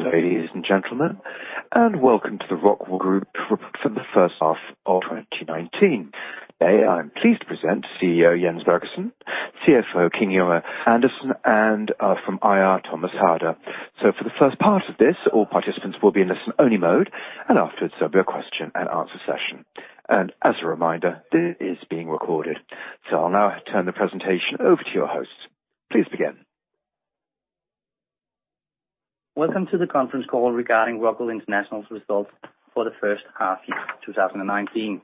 Hello, ladies and gentlemen, welcome to the Rockwool Group report for the first half of 2019. Today, I'm pleased to present CEO, Jens Birgersson, CFO, Kim Junge Andersen, and from IR, Thomas Harder. For the first part of this, all participants will be in listen-only mode, and afterwards there'll be a question and answer session. As a reminder, this is being recorded. I'll now turn the presentation over to your hosts. Please begin. Welcome to the conference call regarding Rockwool International's results for the first half year of 2019.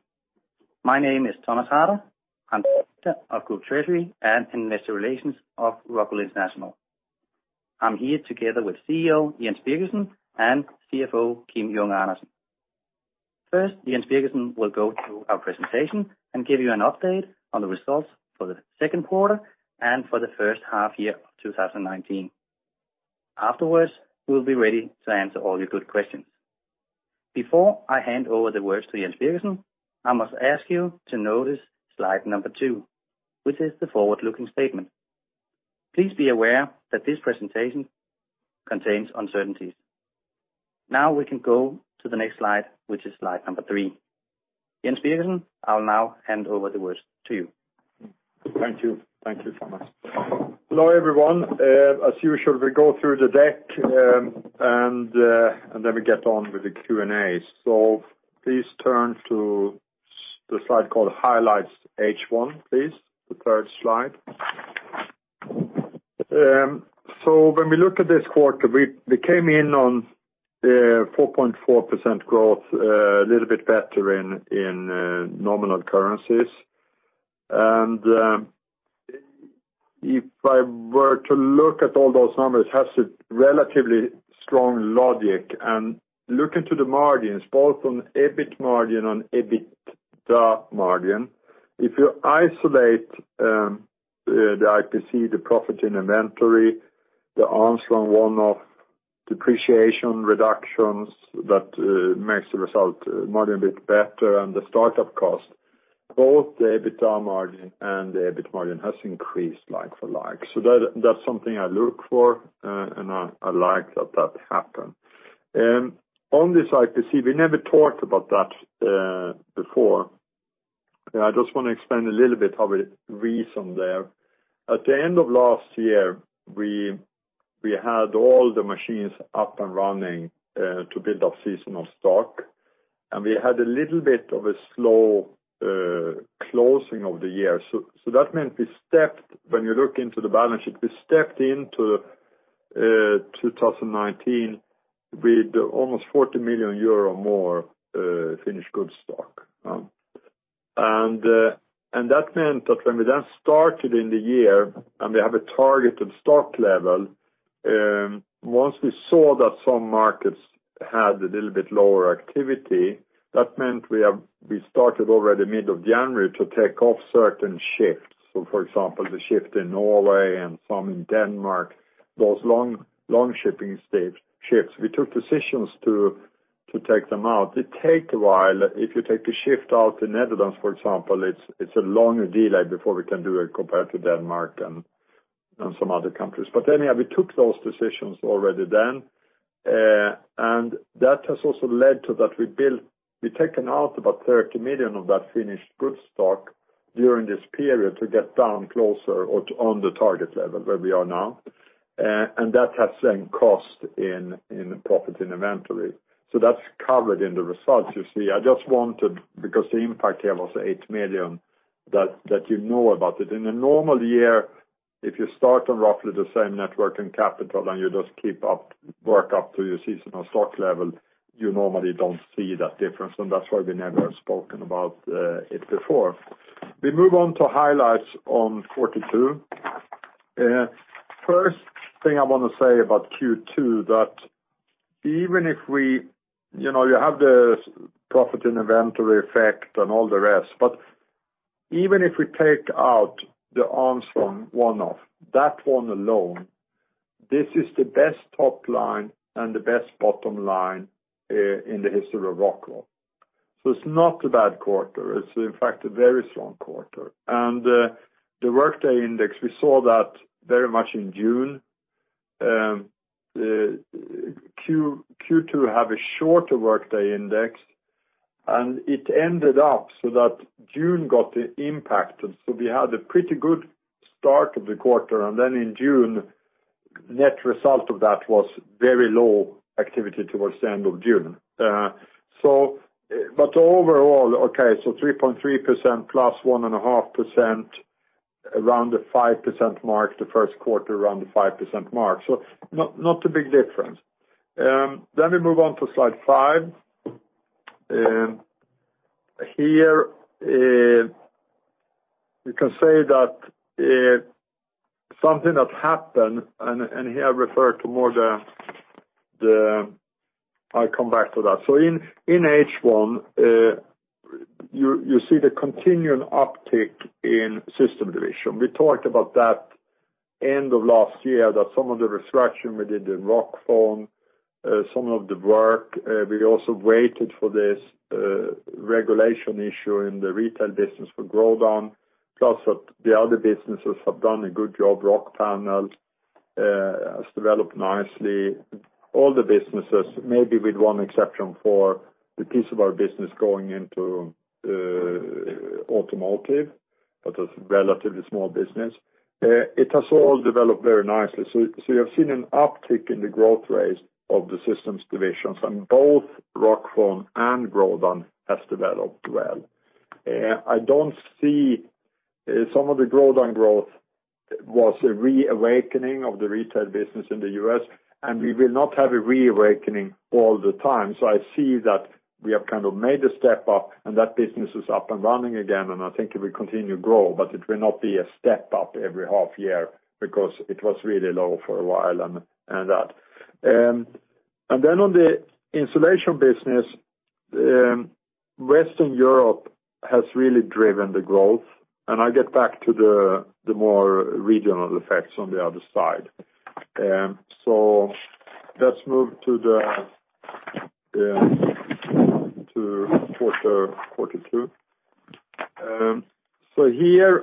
My name is Thomas Harder. I'm Director of Group Treasury and Investor Relations of Rockwool International. I'm here together with CEO Jens Birgersson and CFO Kim Junge Andersen. First, Jens Birgersson will go through our presentation and give you an update on the results for the second quarter and for the first half year of 2019. Afterwards, we'll be ready to answer all your good questions. Before I hand over the words to Jens Birgersson, I must ask you to notice slide number two, which is the forward-looking statement. Please be aware that this presentation contains uncertainties. Now we can go to the next slide, which is slide number three. Jens Birgersson, I'll now hand over the words to you. Thank you, Thomas. Hello, everyone. As usual, we go through the deck, then we get on with the Q&A. Please turn to the slide called Highlights H1, please. The third slide. When we look at this quarter, we came in on 4.4% growth, a little bit better in nominal currencies. If I were to look at all those numbers, it has a relatively strong logic. Looking to the margins, both on EBIT margin and EBITDA margin, if you isolate the IPC, the profit in inventory, the Alnskog one-off depreciation reductions that makes the result margin a bit better and the start-up cost, both the EBITDA margin and the EBIT margin has increased like for like. That's something I look for, and I like that that happened. On this IPC, we never talked about that before. I just want to explain a little bit of a reason there. At the end of last year, we had all the machines up and running to build up seasonal stock. We had a little bit of a slow closing of the year. That meant we stepped, when you look into the balance sheet, we stepped into 2019 with almost 40 million euro more finished good stock. That meant that when we then started in the year and we have a targeted stock level, once we saw that some markets had a little bit lower activity, that meant we started already mid of January to take off certain shifts. For example, the shift in Norway and some in Denmark, those long shipping shifts, we took decisions to take them out. They take a while. If you take a shift out in Netherlands, for example, it's a longer delay before we can do it compared to Denmark and some other countries. Anyhow, we took those decisions already then, that has also led to that we've taken out about 30 million of that finished goods stock during this period to get down closer or on the target level where we are now. That has then cost in the profit inventory. That's covered in the results you see. I just wanted, because the impact here was 8 million, that you know about it. In a normal year, if you start on roughly the same net working capital and you just keep up, work up to your seasonal stock level, you normally don't see that difference, that's why we never spoken about it before. We move on to highlights on 42. First thing I want to say about Q2, that even if you have the profit and inventory effect and all the rest, but even if we take out the Alnskog one-off, that one alone, this is the best top line and the best bottom line in the history of Rockwool. It's not a bad quarter. It's in fact a very strong quarter. The workday index, we saw that very much in June. Q2 have a shorter workday index, it ended up so that June got impacted. We had a pretty good start of the quarter, in June, net result of that was very low activity towards the end of June. Overall, okay, 3.3% plus 1.5%, around the 5% mark, the first quarter around the 5% mark. Not a big difference. Let me move on to slide five. Here, you can say that something that happened, I refer to more the. I come back to that. In H1, you see the continuing uptick in system division. We talked about that end of last year, that some of the restructuring we did in Rockfon, some of the work, we also waited for this regulation issue in the retail business for GrodanPlus that the other businesses have done a good job. Rockpanel has developed nicely. All the businesses, maybe with one exception for the piece of our business going into automotive, that's a relatively small business. It has all developed very nicely. You have seen an uptick in the growth rates of the systems divisions on both Rockfon and Grodan has developed well. Some of the Grodan growth was a reawakening of the retail business in the U.S., and we will not have a reawakening all the time. I see that we have made a step up and that business is up and running again, and I think it will continue to grow, but it will not be a step up every half year because it was really low for a while. On the insulation business, Western Europe has really driven the growth. I get back to the more regional effects on the other side. Let's move to quarter two. Here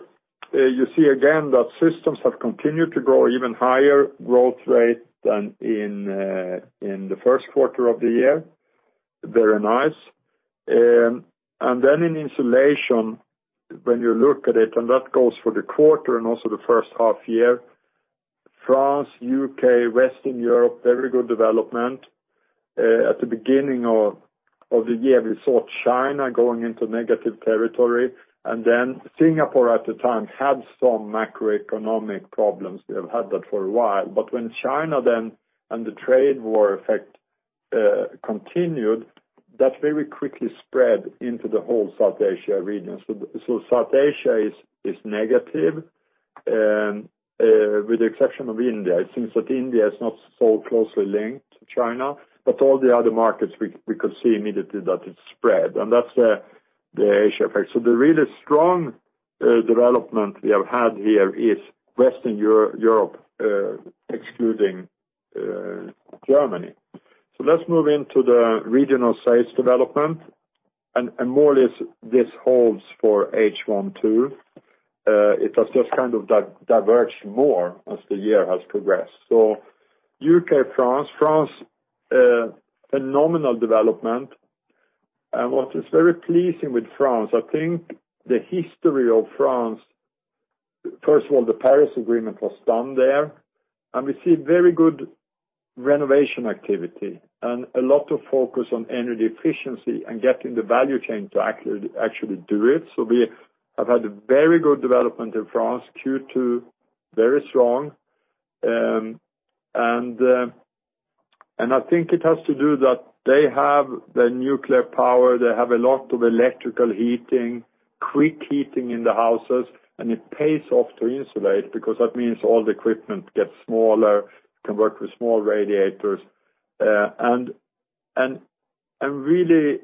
you see again that systems have continued to grow even higher growth rate than in the first quarter of the year. Very nice. Then in insulation, when you look at it, and that goes for the quarter and also the first half year, France, U.K., Western Europe, very good development. At the beginning of the year, we saw China going into negative territory, and then Singapore at the time had some macroeconomic problems. They have had that for a while. When China then, and the trade war effect continued, that very quickly spread into the whole South Asia region. South Asia is negative, with the exception of India. It seems that India is not so closely linked to China. All the other markets, we could see immediately that it spread, and that's the Asia effect. The really strong development we have had here is Western Europe excluding Germany. Let's move into the regional sales development, and more or less this holds for H1 too. It has just diverged more as the year has progressed. U.K., France. France, phenomenal development. What is very pleasing with France, I think the history of France, first of all, the Paris Agreement was done there, and we see very good renovation activity and a lot of focus on energy efficiency and getting the value chain to actually do it. We have had a very good development in France, Q2, very strong. I think it has to do that they have the nuclear power, they have a lot of electrical heating, quick heating in the houses, and it pays off to insulate because that means all the equipment gets smaller, can work with small radiators. Really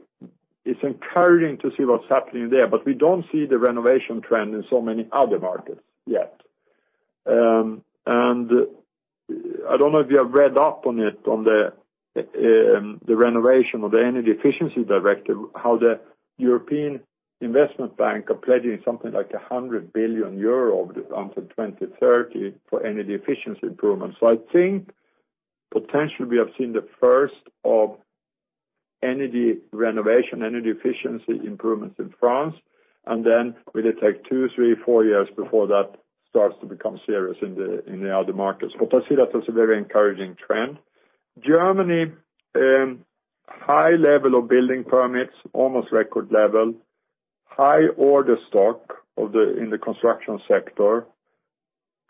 it's encouraging to see what's happening there, but we don't see the renovation trend in so many other markets yet. I don't know if you have read up on it, on the renovation or the Energy Efficiency Directive, how the European Investment Bank are pledging something like 100 billion euro until 2030 for energy efficiency improvements. I think potentially we have seen the first of energy renovation, energy efficiency improvements in France, then will it take two, three, four years before that starts to become serious in the other markets. I see that as a very encouraging trend. Germany, high level of building permits, almost record level, high order stock in the construction sector,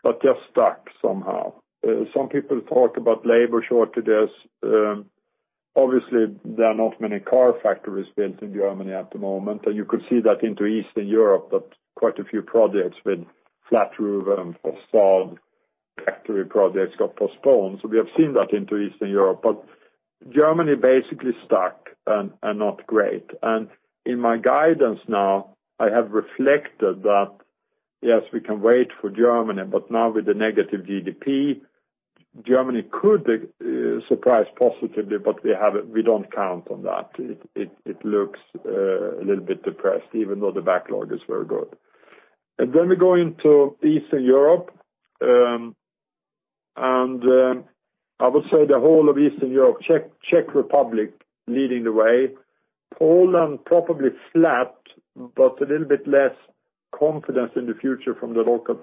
but just stuck somehow. Some people talk about labor shortages. Obviously, there are not many car factories built in Germany at the moment, and you could see that into Eastern Europe, that quite a few projects with flat roof and facade factory projects got postponed. We have seen that into Eastern Europe, but Germany basically stuck and not great. In my guidance now, I have reflected that, yes, we can wait for Germany, but now with the negative GDP, Germany could surprise positively, but we don't count on that. It looks a little bit depressed, even though the backlog is very good. We go into Eastern Europe, and I would say the whole of Eastern Europe, Czech Republic leading the way, Poland probably flat, but a little bit less confidence in the future from the local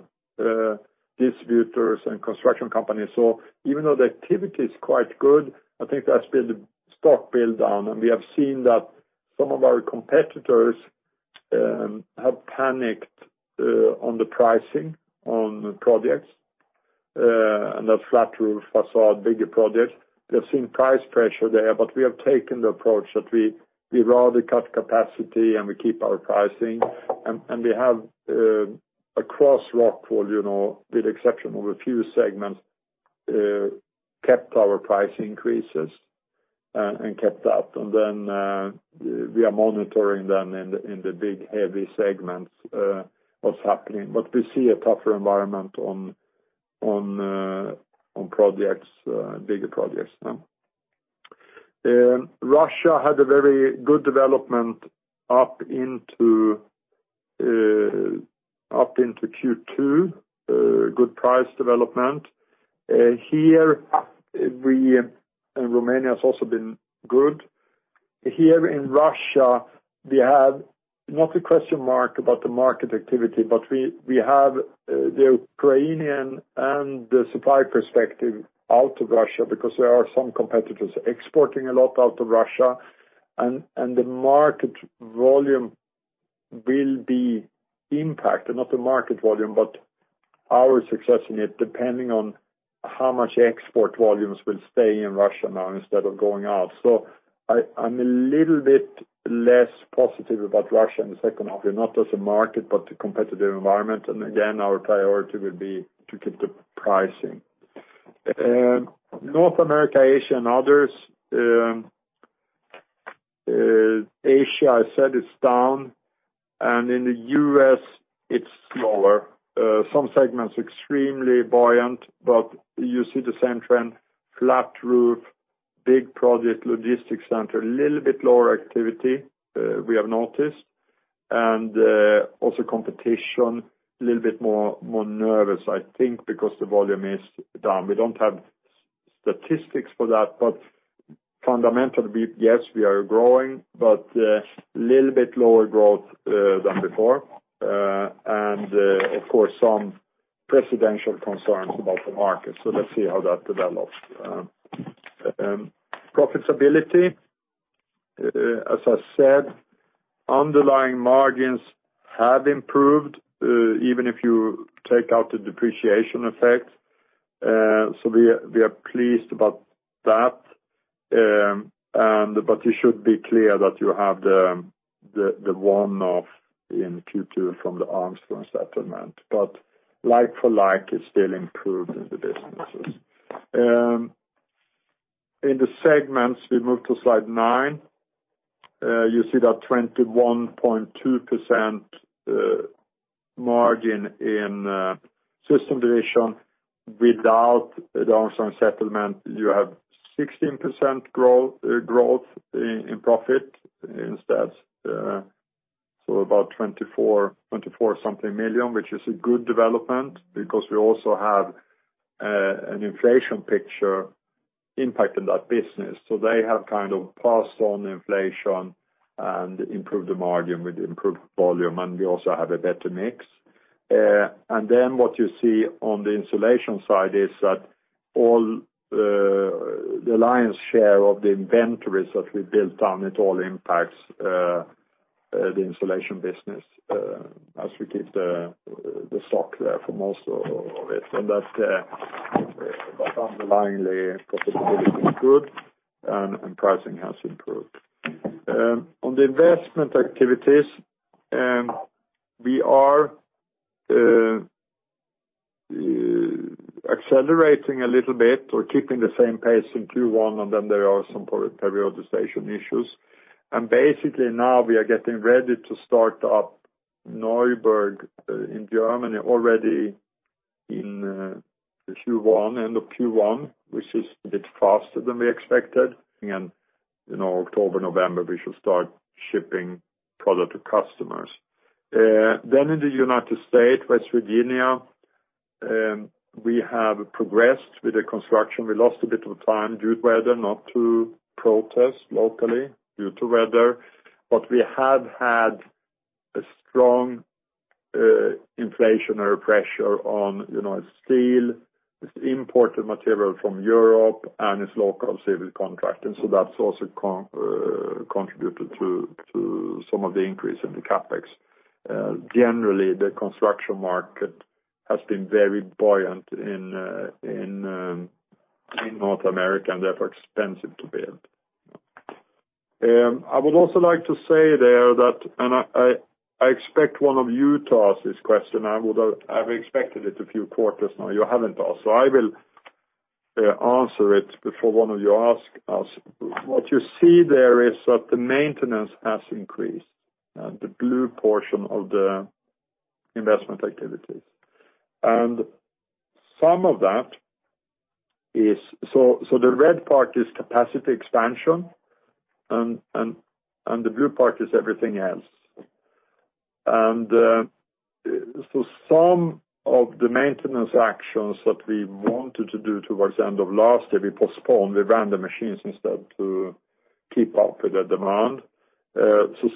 distributors and construction companies. Even though the activity is quite good, I think that's been the stock build down, and we have seen that some of our competitors have panicked on the pricing on projects, and that's flat roof, facade, bigger projects. We have seen price pressure there. We have taken the approach that we'd rather cut capacity and we keep our pricing, and we have, across Rockwool, with exception of a few segments, kept our price increases and kept up. We are monitoring them in the big, heavy segments, what's happening. We see a tougher environment on bigger projects now. Russia had a very good development up into Q2, good price development. Romania has also been good. Here in Russia, we have not a question mark about the market activity, but we have the Ukrainian and the supply perspective out of Russia because there are some competitors exporting a lot out of Russia, and the market volume will be impacted, not the market volume, but our success in it, depending on how much export volumes will stay in Russia now instead of going out. I'm a little bit less positive about Russia in the second half, not as a market, but the competitive environment, and again, our priority will be to keep the pricing. North America, Asia, and others. Asia, I said, it's down, and in the U.S., it's slower. Some segments extremely buoyant, but you see the same trend, flat roof, big project, logistics center, little bit lower activity, we have noticed. Also competition, a little bit more nervous, I think, because the volume is down. We don't have statistics for that, but fundamentally, yes, we are growing, but a little bit lower growth than before. Of course, some presidential concerns about the market. Let's see how that develops. Profitability, as I said, underlying margins have improved, even if you take out the depreciation effect. We are pleased about that. You should be clear that you have the one-off in Q2 from the Armstrong settlement, like for like, it's still improved in the businesses. In the segments, we move to slide nine. You see that 21.2% margin in system division without the Armstrong settlement, you have 16% growth in profit instead. About 24 something million, which is a good development because we also have an inflation picture impacting that business. They have passed on inflation and improved the margin with improved volume, and we also have a better mix. What you see on the insulation side is that the lion's share of the inventories that we built down, it all impacts the insulation business as we keep the stock there for most of it. That underlying the profitability is good, and pricing has improved. On the investment activities, we are accelerating a little bit or keeping the same pace in Q1. Then there are some periodization issues. Basically now we are getting ready to start up Neuburg in Germany already in Q1, end of Q1, which is a bit faster than we expected. Again, October, November, we should start shipping product to customers. Then in the U.S., West Virginia, we have progressed with the construction. We lost a bit of time due to weather, not to protests locally, due to weather, but we have had a strong inflationary pressure on steel, this imported material from Europe, and its local civil contract. That's also contributed to some of the increase in the CapEx. Generally, the construction market has been very buoyant in North America, and therefore expensive to build. I would also like to say there that, and I expect one of you to ask this question, I've expected it a few quarters now. You haven't asked, so I will answer it before one of you ask us. What you see there is that the maintenance has increased, the blue portion of the investment activities. The red part is capacity expansion, and the blue part is everything else. Some of the maintenance actions that we wanted to do towards the end of last year, we postponed. We ran the machines instead to keep up with the demand.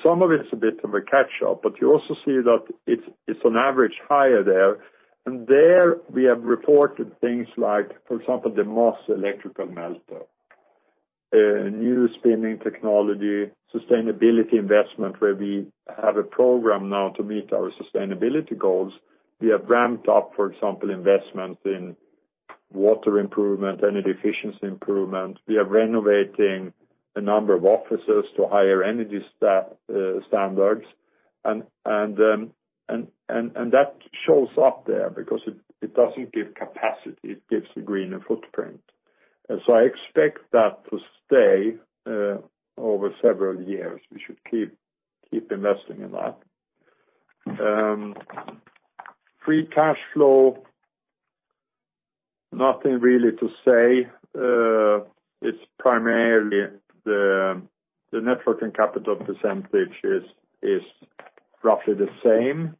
Some of it is a bit of a catch-up, but you also see that it's on average higher there. There we have reported things like, for example, the Moss electrical melter, new spinning technology, sustainability investment, where we have a program now to meet our sustainability goals. We have ramped up for example investments in water improvement, energy efficiency improvement. We are renovating a number of offices to higher energy standards. That shows up there because it doesn't give capacity, it gives a greener footprint. I expect that to stay over several years. We should keep investing in that. Free cash flow. Nothing really to say. It's primarily the net working capital % is roughly the same.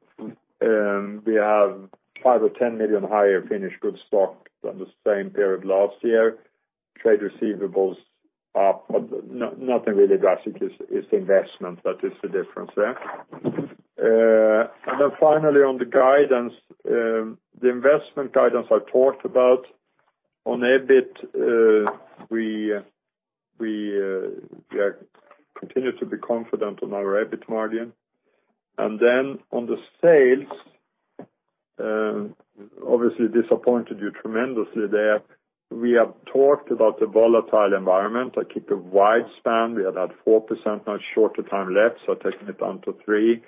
We have EUR five or 10 million higher finished goods stock than the same period last year. Trade receivables are nothing really drastic. It's investment that is the difference there. Finally on the guidance, the investment guidance I talked about. On EBIT, we continue to be confident on our EBIT margin. On the sales, obviously disappointed you tremendously there. We have talked about the volatile environment. I keep a wide span. We are about 4%, now shorter time left, so taking it down to 3%.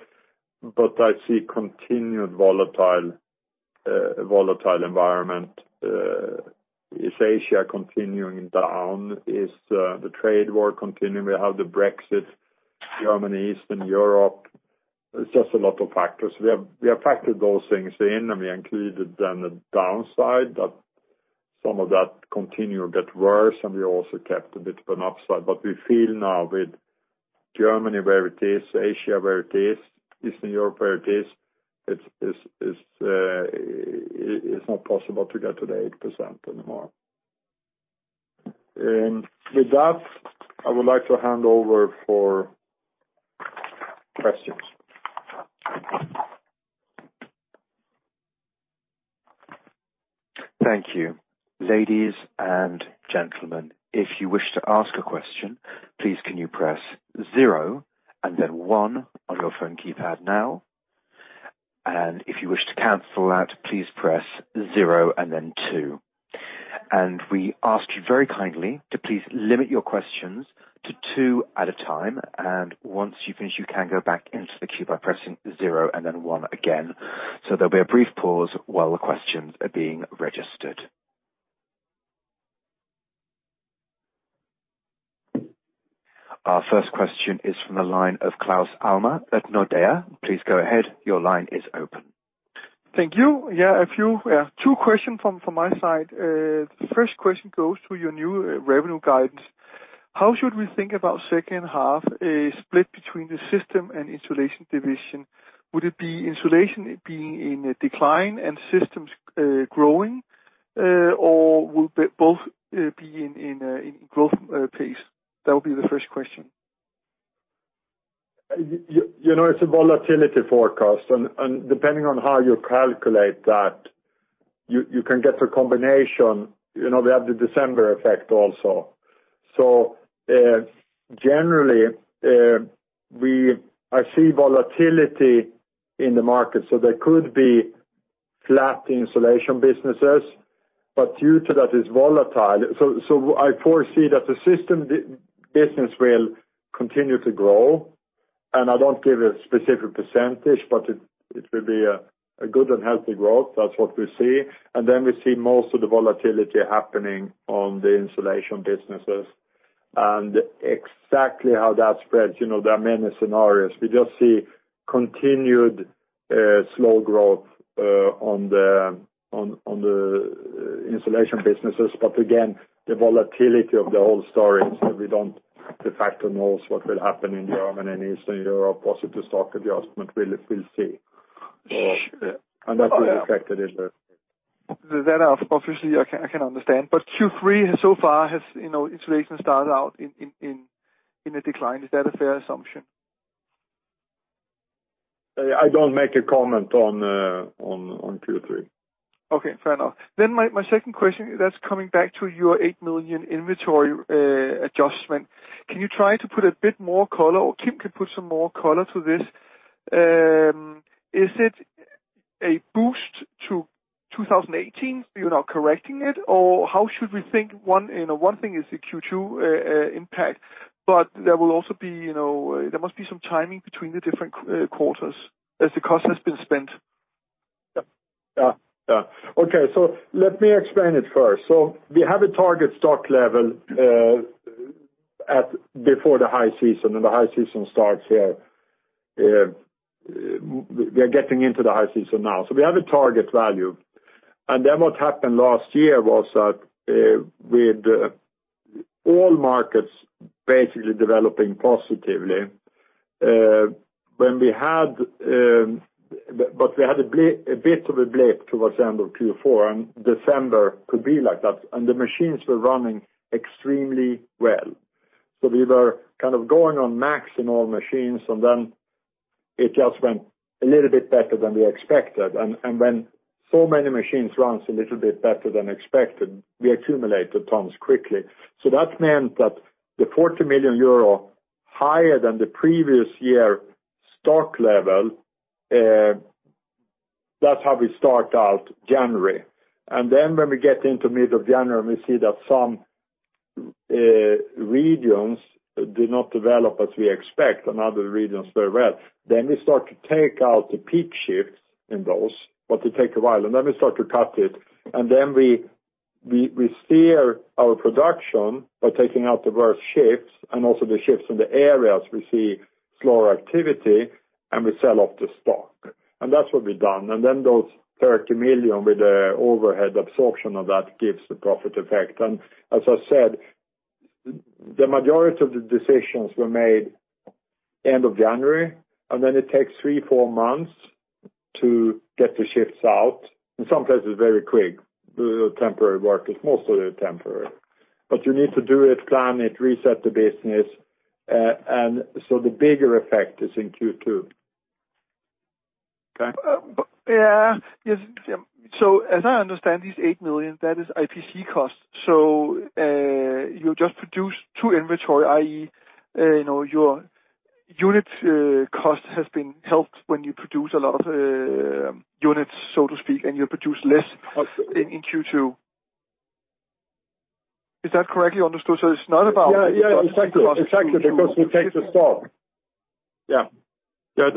I see continued volatile environment. Is Asia continuing down? Is the trade war continuing? We have the Brexit, Germany, Eastern Europe. It's just a lot of factors. We have factored those things in, and we included then the downside that some of that continue get worse, and we also kept a bit of an upside. We feel now with Germany where it is, Asia where it is, Eastern Europe where it is, it's not possible to get to the 8% anymore. With that, I would like to hand over for questions. Thank you. Ladies and gentlemen, if you wish to ask a question, please can you press zero and then one on your phone keypad now, and if you wish to cancel that, please press zero and then two. We ask you very kindly to please limit your questions to two at a time, and once you finish, you can go back into the queue by pressing zero and then one again. There'll be a brief pause while the questions are being registered. Our first question is from the line of Claus Almer at Nordea. Please go ahead. Your line is open. Thank you. Yeah, two questions from my side. First question goes to your new revenue guidance. How should we think about second half is split between the system and insulation division? Would it be insulation being in a decline and systems growing? Will both be in growth pace? That would be the first question. It's a volatility forecast, and depending on how you calculate that, you can get a combination. We have the December effect also. Generally, I see volatility in the market, so there could be flat insulation businesses. Due to that is volatile, so I foresee that the system business will continue to grow, and I don't give a specific percentage, but it will be a good and healthy growth. That's what we see. We see most of the volatility happening on the insulation businesses. Exactly how that spreads, there are many scenarios. We just see continued slow growth on the insulation businesses. Again, the volatility of the whole story is that we don't, de facto knows what will happen in Germany and Eastern Europe, positive stock adjustment, we'll see. That will be reflected in the. That obviously I can understand. Q3 so far has insulation started out in a decline. Is that a fair assumption? I don't make a comment on Q3. Okay, fair enough. My second question, that's coming back to your 8 million inventory adjustment. Can you try to put a bit more color, or Kim can put some more color to this? Is it a boost to 2018, you're now correcting it? How should we think, one thing is the Q2 impact, but there must be some timing between the different quarters as the cost has been spent. Yeah. Okay, let me explain it first. We have a target stock level before the high season, and the high season starts here. We are getting into the high season now. We have a target value, and then what happened last year was that with all markets basically developing positively, but we had a bit of a blip towards the end of Q4, and December could be like that, and the machines were running extremely well. We were kind of going on max in all machines, and then it just went a little bit better than we expected, and when so many machines runs a little bit better than expected, we accumulate the tons quickly. That meant that the 40 million euro higher than the previous year stock level, that's how we start out January. When we get into mid of January, we see that some regions did not develop as we expect, and other regions were well. We start to take out the peak shifts in those, but they take a while, and then we start to cut it. We steer our production by taking out the worst shifts and also the shifts in the areas we see slower activity, and we sell off the stock. That's what we've done. Those 30 million with the overhead absorption of that gives the profit effect. As I said, the majority of the decisions were made end of January, and then it takes three, four months to get the shifts out. In some places, very quick, the temporary workers, most of them are temporary. You need to do it, plan it, reset the business. The bigger effect is in Q2. Okay? As I understand, these 8 million, that is IPC costs. You just produce to inventory, i.e., your unit cost has been helped when you produce a lot of units, so to speak. Absolutely in Q2. Is that correctly understood? It's not about- Yeah, exactly. Because we take the stock. Yeah. Yeah. So- It's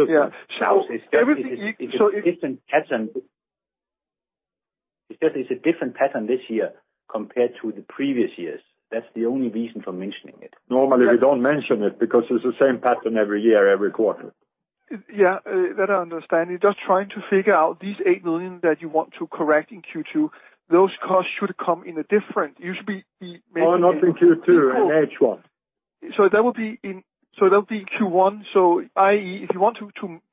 just, it's a different pattern this year compared to the previous years. That's the only reason for mentioning it. Normally, we don't mention it because it's the same pattern every year, every quarter. Yeah. That I understand. Just trying to figure out these 8 million that you want to correct in Q2, those costs should come in a different You should be making- Oh, not in Q2. In H1. That would be in Q1. I.e., if you want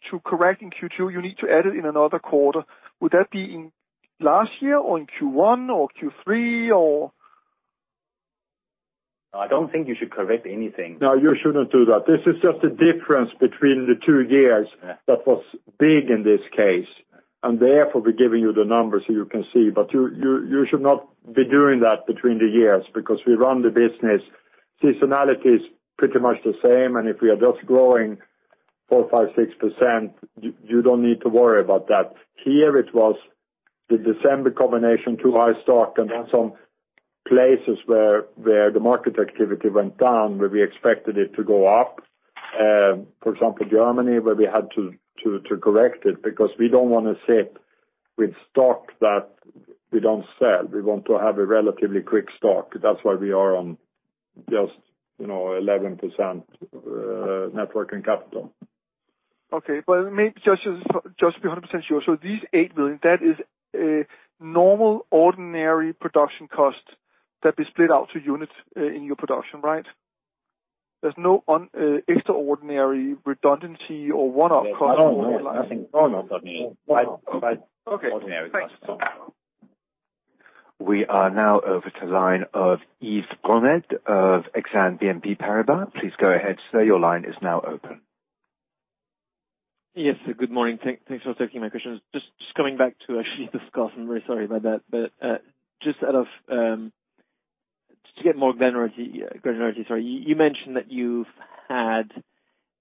to correct in Q2, you need to add it in another quarter. Would that be in last year or in Q1 or Q3 or? No, I don't think you should correct anything. No, you shouldn't do that. This is just a difference between the two years. Yeah That was big in this case. Therefore, we're giving you the numbers so you can see. You should not be doing that between the years, because we run the business. Seasonality is pretty much the same. If we are just growing 4%, 5%, 6%, you don't need to worry about that. Here it was the December combination, too high stock. Then some places where the market activity went down, where we expected it to go up. For example, Germany, where we had to correct it because we don't want to sit with stock that we don't sell. We want to have a relatively quick stock. That's why we are on just 11% net working capital. Okay. Maybe just to be 100% sure. These 8 million, that is a normal, ordinary production cost that we split out to units in your production, right? There's no extraordinary redundancy or one-off cost? No, nothing. Ordinary. Okay. Thanks. We are now over to line of Yves Goned of Exane BNP Paribas. Please go ahead, sir. Your line is now open. Yes, good morning. Thanks for taking my questions. Just coming back to, actually, discuss, I'm very sorry about that, but just to get more granularity. Sorry. You mentioned that you've had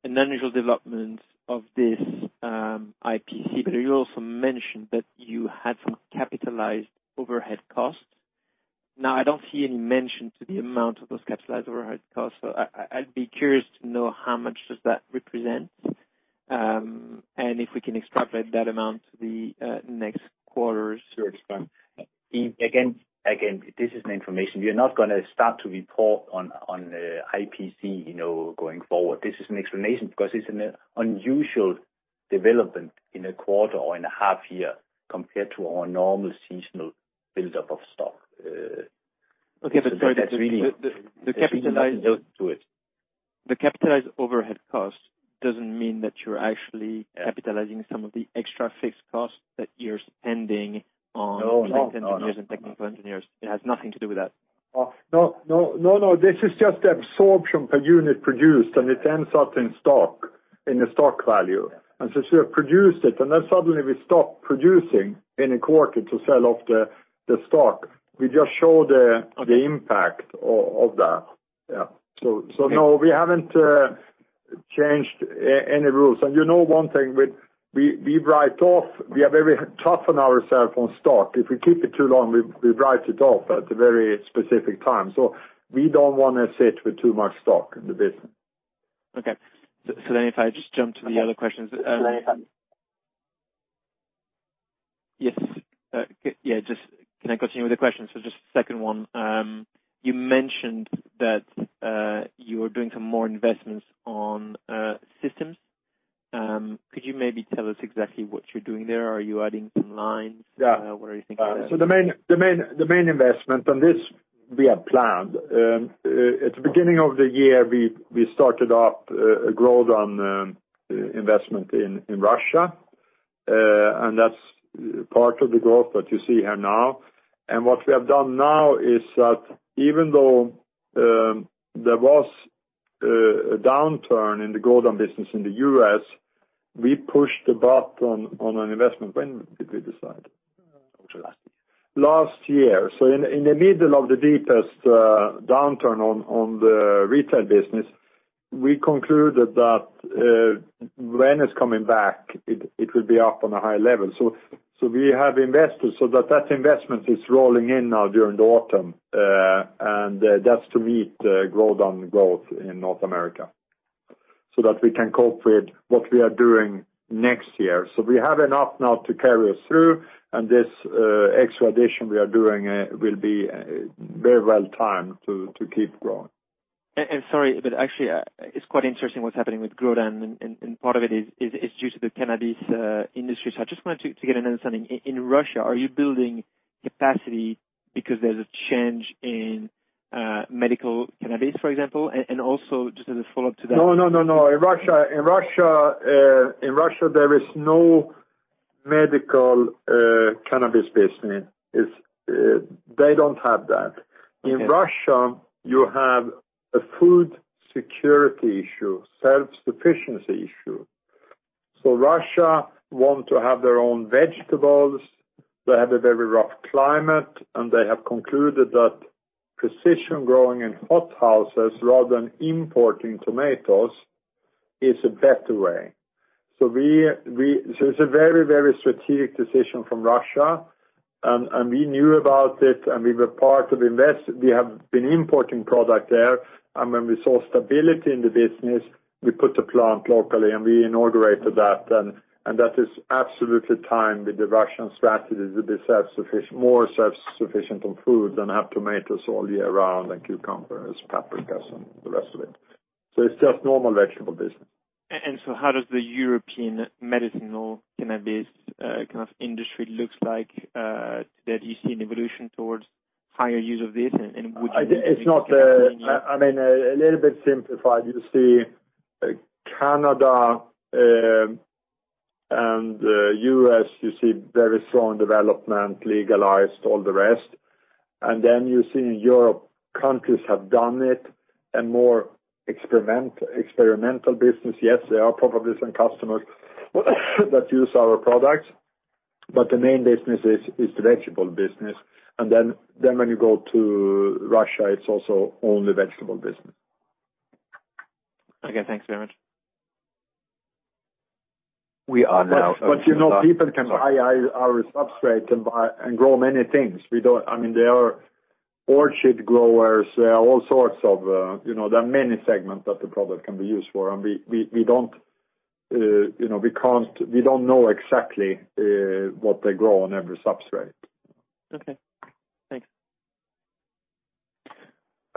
an unusual development of this IPC, but you also mentioned that you had some capitalized overhead costs. I don't see any mention to the amount of those capitalized overhead costs, so I'd be curious to know how much does that represent, and if we can extrapolate that amount to the next quarters. Yves, again, this is an information. We are not going to start to report on IPC going forward. This is an explanation because it's an unusual development in a quarter or in a half year compared to our normal seasonal buildup of stock. Okay. There's really nothing to it. The capitalized overhead cost doesn't mean that you're actually capitalizing some of the extra fixed costs that you're spending on. No engineers and technical engineers. It has nothing to do with that? This is just the absorption per unit produced. It ends up in stock, in the stock value. Since we have produced it, suddenly we stop producing in a quarter to sell off the stock, we just show the impact of that. Yeah. No, we haven't changed any rules. You know one thing, we write off. We are very tough on ourself on stock. If we keep it too long, we write it off at a very specific time. We don't want to sit with too much stock in the business. Okay. If I just jump to the other questions. if I Yes. Can I continue with the question? Just second one. You mentioned that you are doing some more investments on systems. Could you maybe tell us exactly what you're doing there? Are you adding some lines? Yeah. What are you thinking there? The main investment, and this we have planned. At the beginning of the year, we started up a Grodan investment in Russia, and that's part of the growth that you see here now. What we have done now is that even though there was a downturn in the Grodan business in the U.S., we pushed the button on an investment. When did we decide? July. Last year. In the middle of the deepest downturn on the retail business, we concluded that when it's coming back, it will be up on a high level. We have invested, so that investment is rolling in now during the autumn, and that's to meet growth on growth in North America. That we can cope with what we are doing next year. We have enough now to carry us through, and this extra addition we are doing will be very well timed to keep growing. Sorry, but actually it's quite interesting what's happening with Grodan and part of it is due to the cannabis industry. I just wanted to get an understanding. In Russia, are you building capacity because there's a change in medical cannabis, for example? No, in Russia there is no medical cannabis business. They don't have that. Okay. In Russia, you have a food security issue, self-sufficiency issue. Russia want to have their own vegetables. They have a very rough climate, they have concluded that precision growing in hot houses rather than importing tomatoes is a better way. It's a very strategic decision from Russia. We knew about it. We have been importing product there, when we saw stability in the business, we put a plant locally and we inaugurated that is absolutely timed with the Russian strategies to be more self-sufficient on food and have tomatoes all year round and cucumbers, paprikas, and the rest of it. It's just normal vegetable business. How does the European medicinal cannabis kind of industry looks like today? Do you see an evolution towards higher use of this? It's not the I mean, a little bit simplified, you see Canada and U.S., you see very strong development, legalized all the rest. You see in Europe, countries have done it and more experimental business. Yes, there are probably some customers that use our products, but the main business is the vegetable business. When you go to Russia, it's also only vegetable business. Okay, thanks very much. You know, people can buy our substrate and grow many things. There are orchid growers. There are many segments that the product can be used for, and we don't know exactly what they grow on every substrate. Okay, thanks.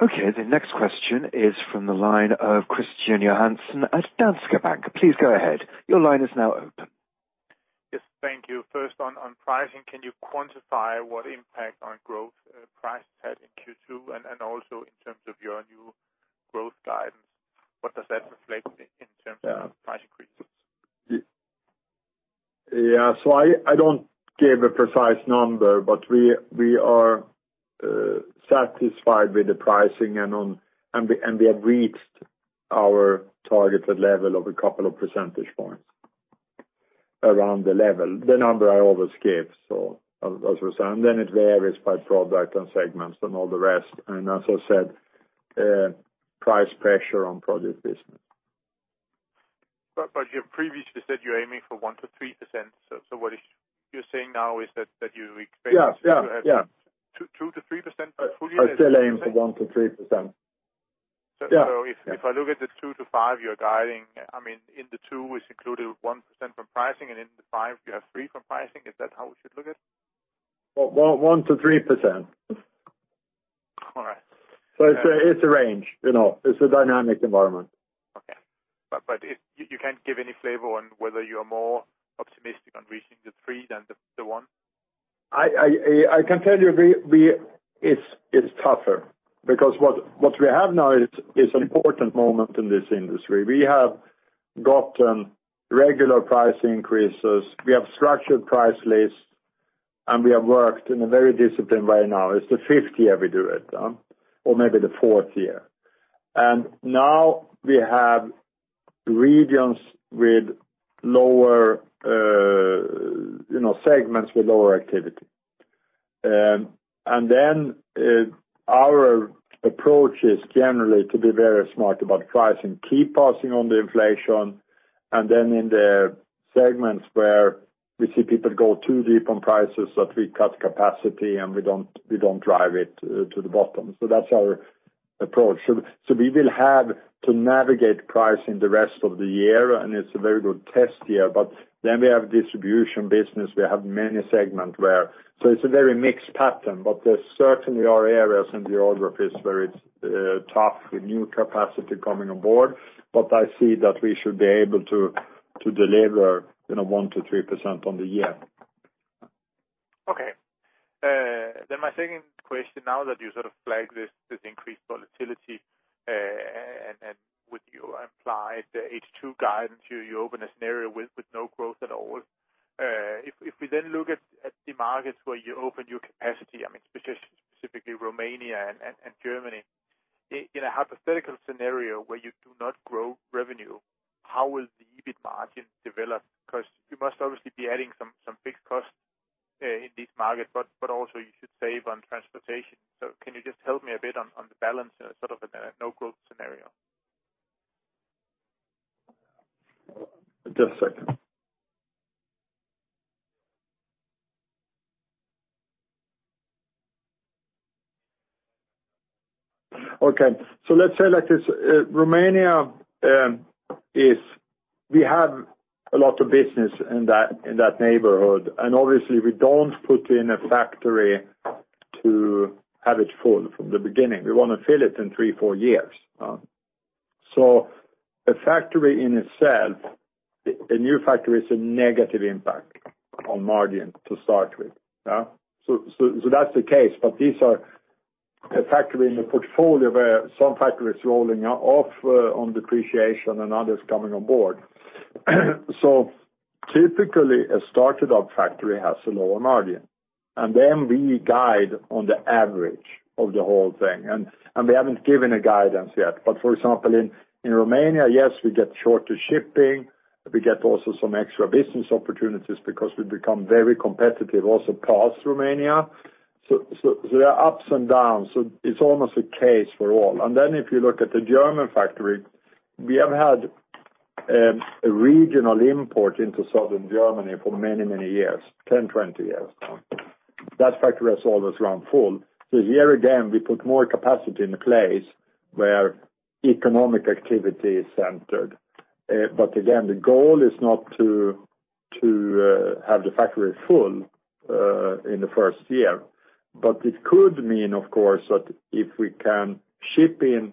Okay, the next question is from the line of Kristian Johansen at Danske Bank. Please go ahead. Your line is now open. Yes, thank you. First on pricing, can you quantify what impact on growth price has had in Q2, and also in terms of your new growth guidance, what does that reflect in terms of price increases? Yeah. I don't give a precise number, but we are satisfied with the pricing and we have reached our targeted level of a couple of percentage points around the level, the number I always give. As I was saying, then it varies by product and segments and all the rest. As I said, price pressure on product business. You previously said you're aiming for 1%-3%. What you're saying now is that you expect. Yeah to have 2%-3% fully- I still aim for 1% to 3%. Yeah. If I look at the 2%-5% you're guiding, I mean, in the 2% is included 1% from pricing, and in the 5% you have 3% from pricing. Is that how we should look at it? 1%-3%. All right. It's a range. It's a dynamic environment. Okay. You can't give any flavor on whether you are more optimistic on reaching the 3% than the 1%? I can tell you it's tougher because what we have now is an important moment in this industry. We have gotten regular price increases. We have structured price lists, and we have worked in a very disciplined way now. It's the fifth year we do it, or maybe the fourth year. Now we have segments with lower activity. Our approach is generally to be very smart about pricing, keep passing on the inflation, and then in the segments where we see people go too deep on prices that we cut capacity and we don't drive it to the bottom. That's our approach. We will have to navigate pricing the rest of the year, and it's a very good test year. We have distribution business, we have many segments where it's a very mixed pattern. There certainly are areas and geographies where it's tough with new capacity coming on board. I see that we should be able to deliver 1%-3% on the year. Okay. My second question now that you sort of flagged this increased volatility, and with your implied H2 guidance, you open a scenario with no growth at all. If we look at the markets where you open new capacity, I mean, specifically Romania and Germany. In a hypothetical scenario where you do not grow revenue, how will the EBIT margin develop? You must obviously be adding some big costs in these markets, but also you should save on transportation. Can you just help me a bit on the balance in a sort of no-growth scenario? Okay. Let's say like this, Romania, we have a lot of business in that neighborhood, and obviously we don't put in a factory to have it full from the beginning. We want to fill it in three, four years. A factory in itself, a new factory, is a negative impact on margin to start with. That's the case. These are a factory in the portfolio where some factory is rolling off on depreciation and others coming on board. Typically, a started up factory has a lower margin, and then we guide on the average of the whole thing. We haven't given a guidance yet, but for example, in Romania, yes, we get shorter shipping. We get also some extra business opportunities because we become very competitive also past Romania. There are ups and downs, so it's almost the case for all. If you look at the German factory, we have had a regional import into Southern Germany for many years, 10, 20 years now. That factory has always run full. Here again, we put more capacity in the place where economic activity is centered. The goal is not to have the factory full in the first year. It could mean, of course, that if we can ship in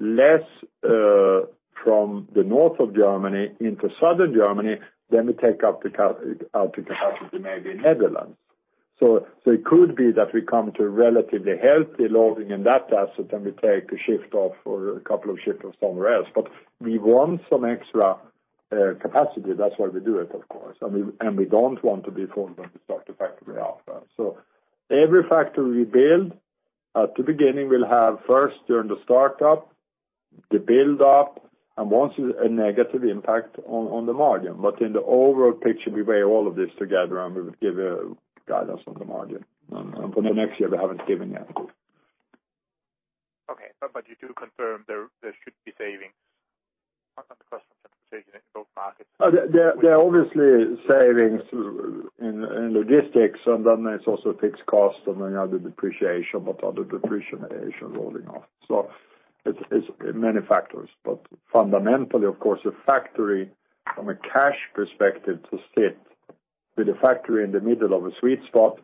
less from the north of Germany into southern Germany, then we take up the capacity maybe in Netherlands. It could be that we come to a relatively healthy loading in that asset, and we take a shift off or a couple of shifts off somewhere else. We want some extra capacity. That's why we do it, of course. We don't want to be full when we start the factory off. Every factory we build, at the beginning, we'll have first during the start-up, the build-up, and once a negative impact on the margin. In the overall picture, we weigh all of this together and we will give a guidance on the margin. For the next year, we haven't given yet. Okay. You do confirm there should be savings on the cost of transportation in both markets? There are obviously savings in logistics, and then there's also fixed cost and other depreciation, but other depreciation rolling off. It's many factors. Fundamentally, of course, a factory from a cash perspective to sit with a factory in the middle of a sweet spot,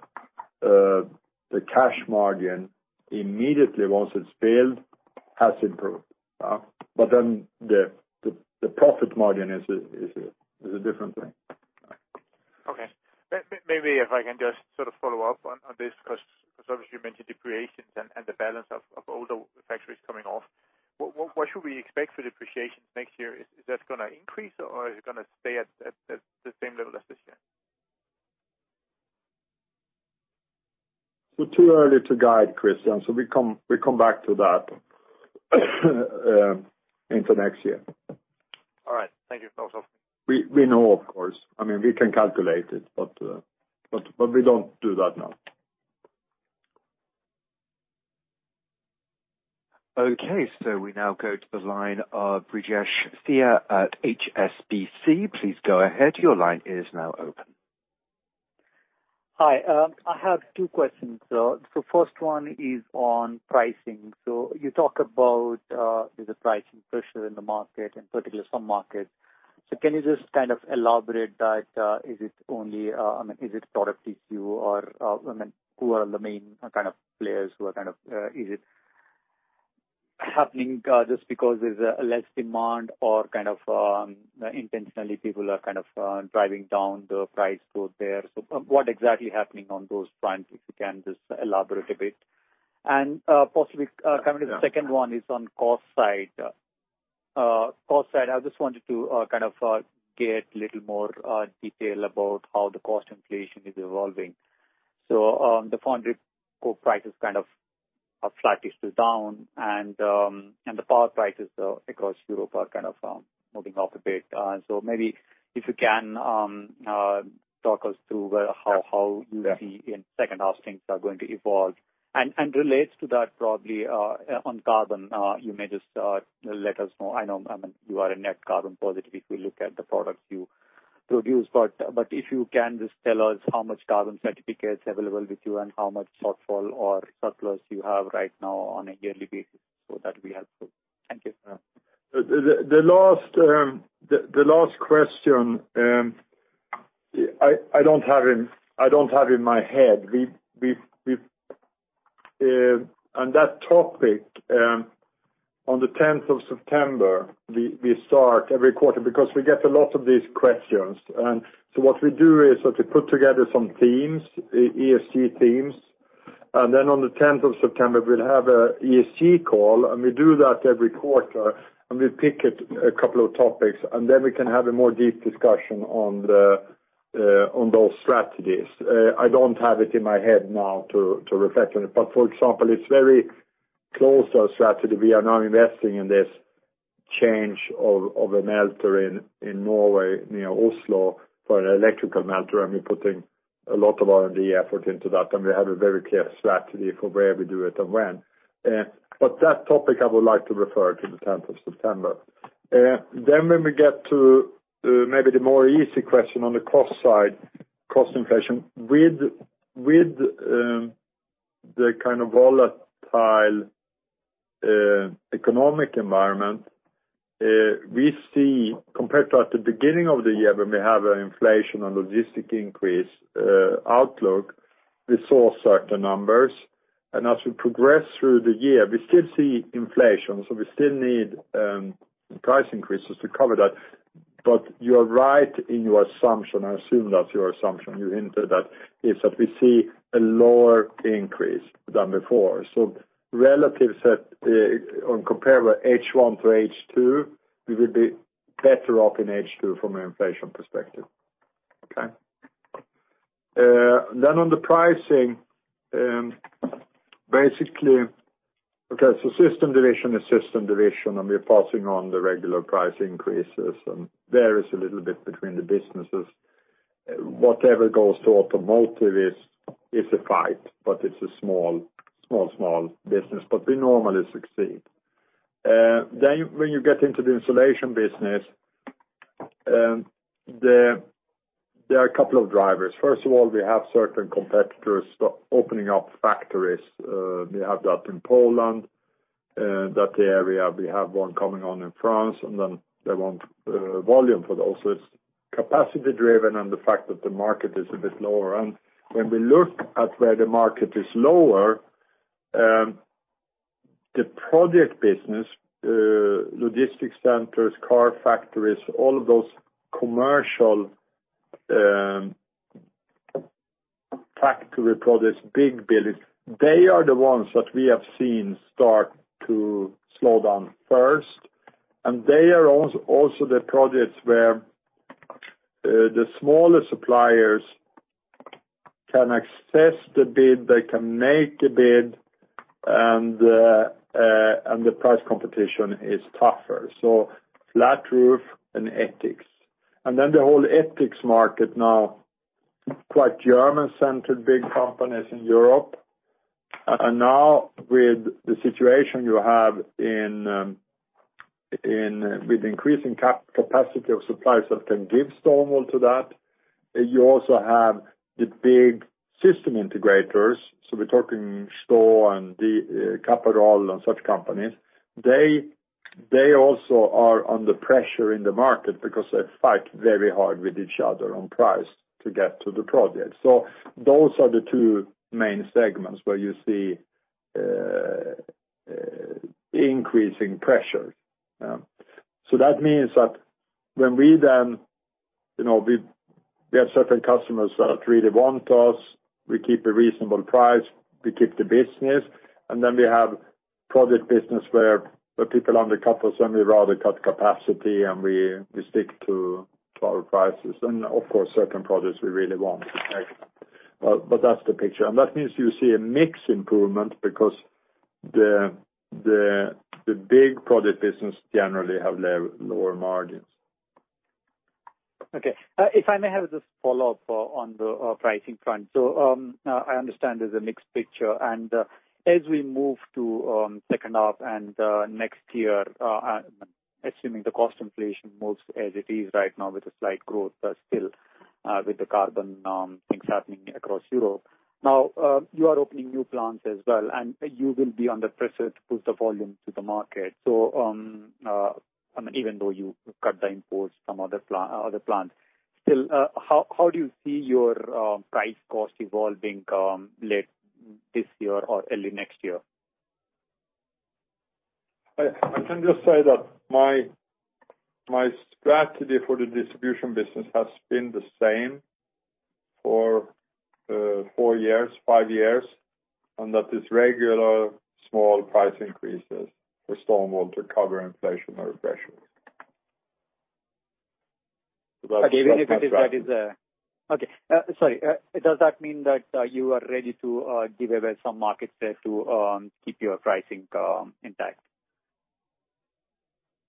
the cash margin immediately once it's built has improved. The profit margin is a different thing. Okay. Maybe if I can just sort of follow up on this because obviously you mentioned depreciations and the balance of older factories coming off. What should we expect for depreciation next year? Is that going to increase or is it going to stay at the same level as this year? Too early to guide, Kristian. We come back to that into next year. All right. Thank you. That was all. We know, of course. I mean, we can calculate it, but we don't do that now. We now go to the line of Brijesh Suri at HSBC. Please go ahead. Your line is now open. Hi. I have two questions. The first one is on pricing. You talk about the pricing pressure in the market, in particular some markets. Can you just kind of elaborate that? Is it product issue, or who are the main kind of players who are? Is it happening just because there's less demand or kind of intentionally people are kind of driving down the price through there? What exactly happening on those fronts, if you can just elaborate a bit? Possibly coming to the second one is on cost side. Cost side, I just wanted to kind of get little more detail about how the cost inflation is evolving. The foundry core price is kind of slightly down, and the power prices across Europe are kind of moving up a bit. Maybe if you can talk us through how you see in second half things are going to evolve. Relates to that probably on carbon, you may just let us know. I know you are a net carbon positive if you look at the products you produce. If you can just tell us how much carbon certificates available with you and how much shortfall or surplus you have right now on a yearly basis. That'd be helpful. Thank you. The last question, I don't have in my head. On that topic, on the 10th of September, we start every quarter because we get a lot of these questions. What we do is to put together some themes, ESG themes, and then on the 10th of September, we'll have a ESG call, and we do that every quarter, and we pick a couple of topics, and then we can have a more deep discussion on those strategies. I don't have it in my head now to reflect on it. For example, it's very close to our strategy. We are now investing in this change of a melter in Norway, near Oslo, for an electrical melter, and we're putting a lot of R&D effort into that, and we have a very clear strategy for where we do it and when. That topic I would like to refer to the 10th of September. When we get to maybe the more easy question on the cost side, cost inflation. With the kind of volatile economic environment, we see compared to at the beginning of the year, when we have an inflation and logistics increase outlook, we saw certain numbers. As we progress through the year, we still see inflation, so we still need price increases to cover that. You're right in your assumption, I assume that's your assumption, you hinted that, is that we see a lower increase than before. Relative on compare with H1 to H2, we will be better off in H2 from an inflation perspective. Okay. On the pricing, basically, okay, so System division is System division, and we are passing on the regular price increases, and varies a little bit between the businesses. Whatever goes to automotive is a fight, but it's a small business, but we normally succeed. When you get into the insulation business, there are a couple of drivers. First of all, we have certain competitors opening up factories. They have that in Poland, that area. We have one coming on in France, and then they want volume for those. It's capacity driven and the fact that the market is a bit lower. When we look at where the market is lower, the project business, logistics centers, car factories, all of those commercial factory projects, big buildings, they are the ones that we have seen start to slow down first, and they are also the projects where the smaller suppliers can access the bid, they can make a bid, and the price competition is tougher. Flat roof and ETICS. The whole ETICS market now, quite German-centered big companies in Europe. With the situation you have with increasing capacity of suppliers that can give stone wool to that, you also have the big system integrators. We're talking Sto and Caparol and such companies. They also are under pressure in the market because they fight very hard with each other on price to get to the project. Those are the two main segments where you see increasing pressure. When we then have certain customers that really want us. We keep a reasonable price, we keep the business, we have project business where people undercut us, we rather cut capacity, we stick to our prices. Of course, certain projects we really want. That's the picture. That means you see a mix improvement because the big project business generally have lower margins. Okay. If I may have just a follow-up on the pricing front. I understand there's a mixed picture, and as we move to second half and next year, assuming the cost inflation moves as it is right now with a slight growth, but still with the carbon things happening across Europe. Now, you are opening new plants as well, and you will be under pressure to push the volume to the market. Even though you cut the imports from other plants, still, how do you see your price cost evolving late this year or early next year? I can just say that my strategy for the distribution business has been the same for four years, five years, and that is regular small price increases for stone wool to cover inflation or pressures. Okay. Sorry. Does that mean that you are ready to give away some market share to keep your pricing intact?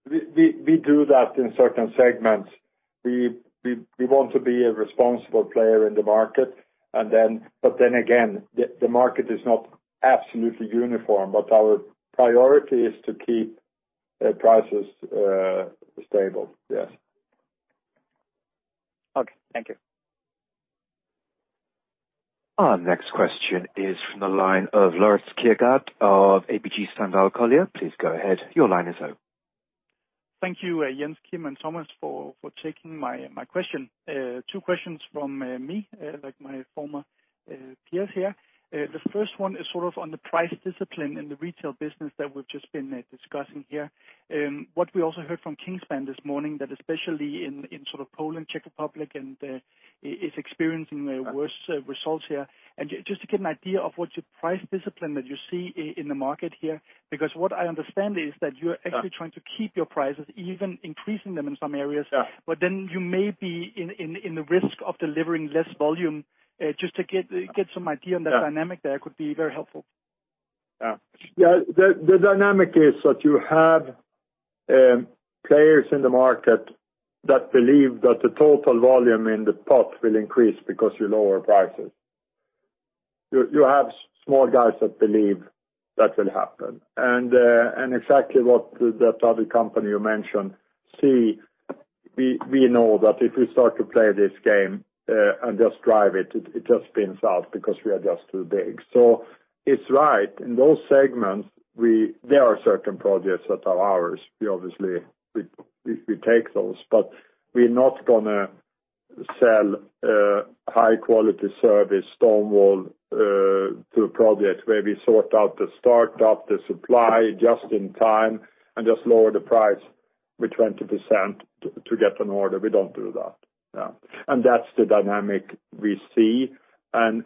We do that in certain segments. We want to be a responsible player in the market. The market is not absolutely uniform, but our priority is to keep prices stable. Yes. Okay. Thank you. Our next question is from the line of Lars Kirkegaard of ABG Sundal Collier. Please go ahead. Your line is open. Thank you, Jens, Kim, and Thomas for taking my question. Two questions from me, like my former peers here. The first one is sort of on the price discipline in the retail business that we've just been discussing here. What we also heard from Kingspan this morning, that especially in sort of Poland, Czech Republic, and is experiencing worse results here. Just to get an idea of what your price discipline that you see in the market here, because what I understand is that you're actually trying to keep your prices, even increasing them in some areas. Yeah. You may be in the risk of delivering less volume. Just to get some idea on the dynamic there could be very helpful. Yeah. The dynamic is that you have players in the market that believe that the total volume in the pot will increase because you lower prices. You have small guys that believe that will happen. Exactly what that other company you mentioned see, we know that if we start to play this game and just drive it just spins out because we are just too big. It's right. In those segments, there are certain projects that are ours. Obviously, we take those, but we're not going to sell high-quality service stone wool to a project where we sort out the startup, the supply just in time, and just lower the price by 20% to get an order. We don't do that. That's the dynamic we see. From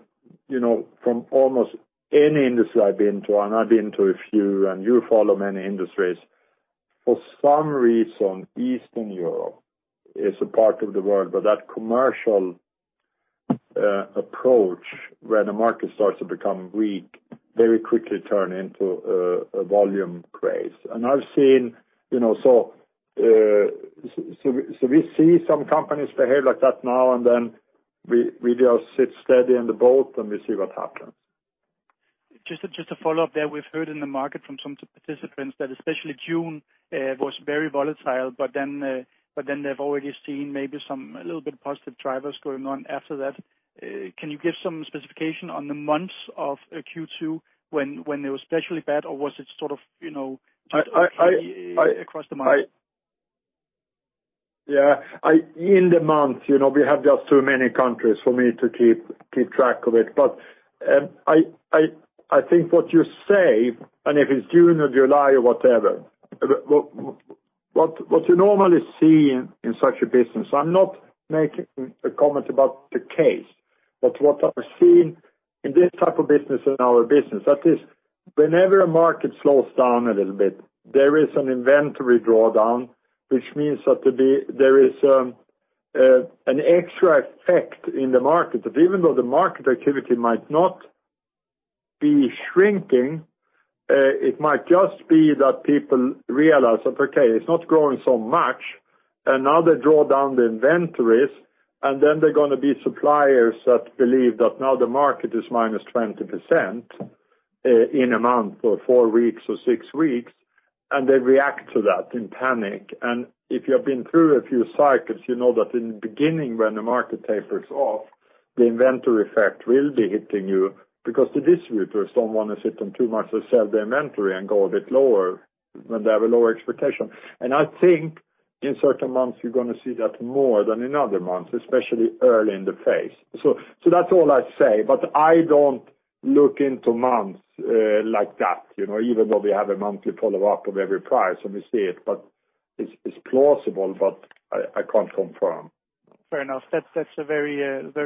almost any industry I've been to, and I've been to a few, and you follow many industries, for some reason, Eastern Europe is a part of the world, but that commercial approach where the market starts to become weak very quickly turn into a volume craze. We see some companies behave like that now, and then we just sit steady in the boat, and we see what happens. Just to follow up there, we've heard in the market from some participants that especially June was very volatile, but then they've already seen maybe a little bit positive drivers going on after that. Can you give some specification on the months of Q2 when it was especially bad, or was it sort of just across the market? Yeah. In the month, we have just too many countries for me to keep track of it. I think what you say, and if it's June or July or whatever, what you normally see in such a business, I am not making a comment about the case, but what I have seen in this type of business, in our business, that is whenever a market slows down a little bit, there is an inventory drawdown, which means that there is an extra effect in the market, that even though the market activity might not be shrinking, it might just be that people realize that, okay, it is not growing so much, and now they draw down the inventories, and then there are going to be suppliers that believe that now the market is minus 20% in a month or four weeks or six weeks, and they react to that in panic. If you have been through a few cycles, you know that in the beginning, when the market tapers off, the inventory effect will be hitting you because the distributors don't want to sit on too much to sell the inventory and go a bit lower when they have a lower expectation. I think in certain months, you're going to see that more than in other months, especially early in the phase. That's all I'd say. I don't look into months like that, even though we have a monthly follow-up of every price, and we see it, but it's plausible, but I can't confirm. Fair enough. That's a very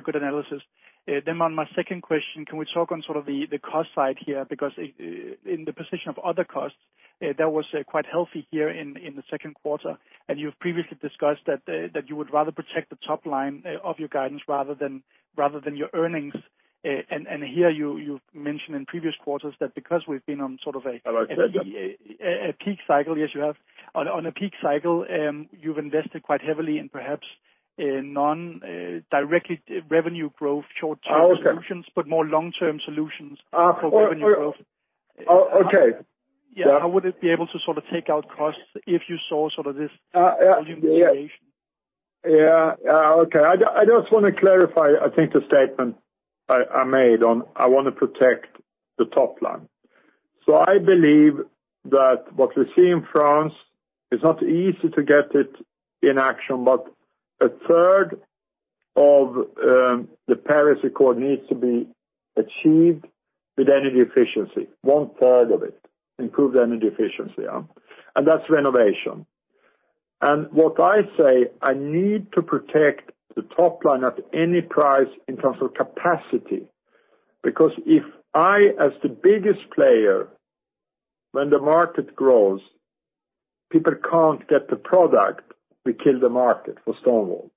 good analysis. On my second question, can we talk on sort of the cost side here? In the position of other costs, that was quite healthy here in the second quarter, and you've previously discussed that you would rather protect the top line of your guidance rather than your earnings. Here you've mentioned in previous quarters. I said, yeah. a peak cycle, yes, you have. On a peak cycle, you've invested quite heavily in perhaps a non-directly revenue growth short-term solutions, but more long-term solutions for revenue growth. Okay. Yeah. How would it be able to sort of take out costs if you saw sort of this volume variation? Yeah. Okay. I just want to clarify, I think the statement I made on I want to protect the top line. I believe that what we see in France, it's not easy to get it in action, but a third of the Paris Agreement needs to be achieved with energy efficiency. One-third of it, improved energy efficiency. That's renovation. What I say, I need to protect the top line at any price in terms of capacity. If I, as the biggest player, when the market grows, people can't get the product, we kill the market for stone wool.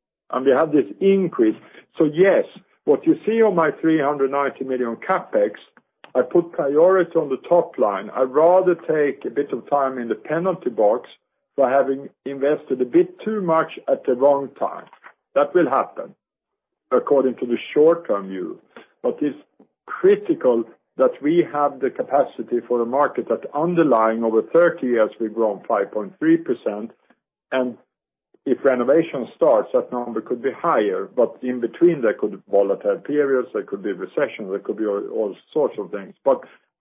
We have this increase. Yes, what you see on my 390 million CapEx, I put priority on the top line. I'd rather take a bit of time in the penalty box by having invested a bit too much at the wrong time. That will happen according to the short-term view. It's critical that we have the capacity for a market that underlying over 30 years, we've grown 5.3%, and if renovation starts, that number could be higher, but in between, there could be volatile periods, there could be recessions, there could be all sorts of things.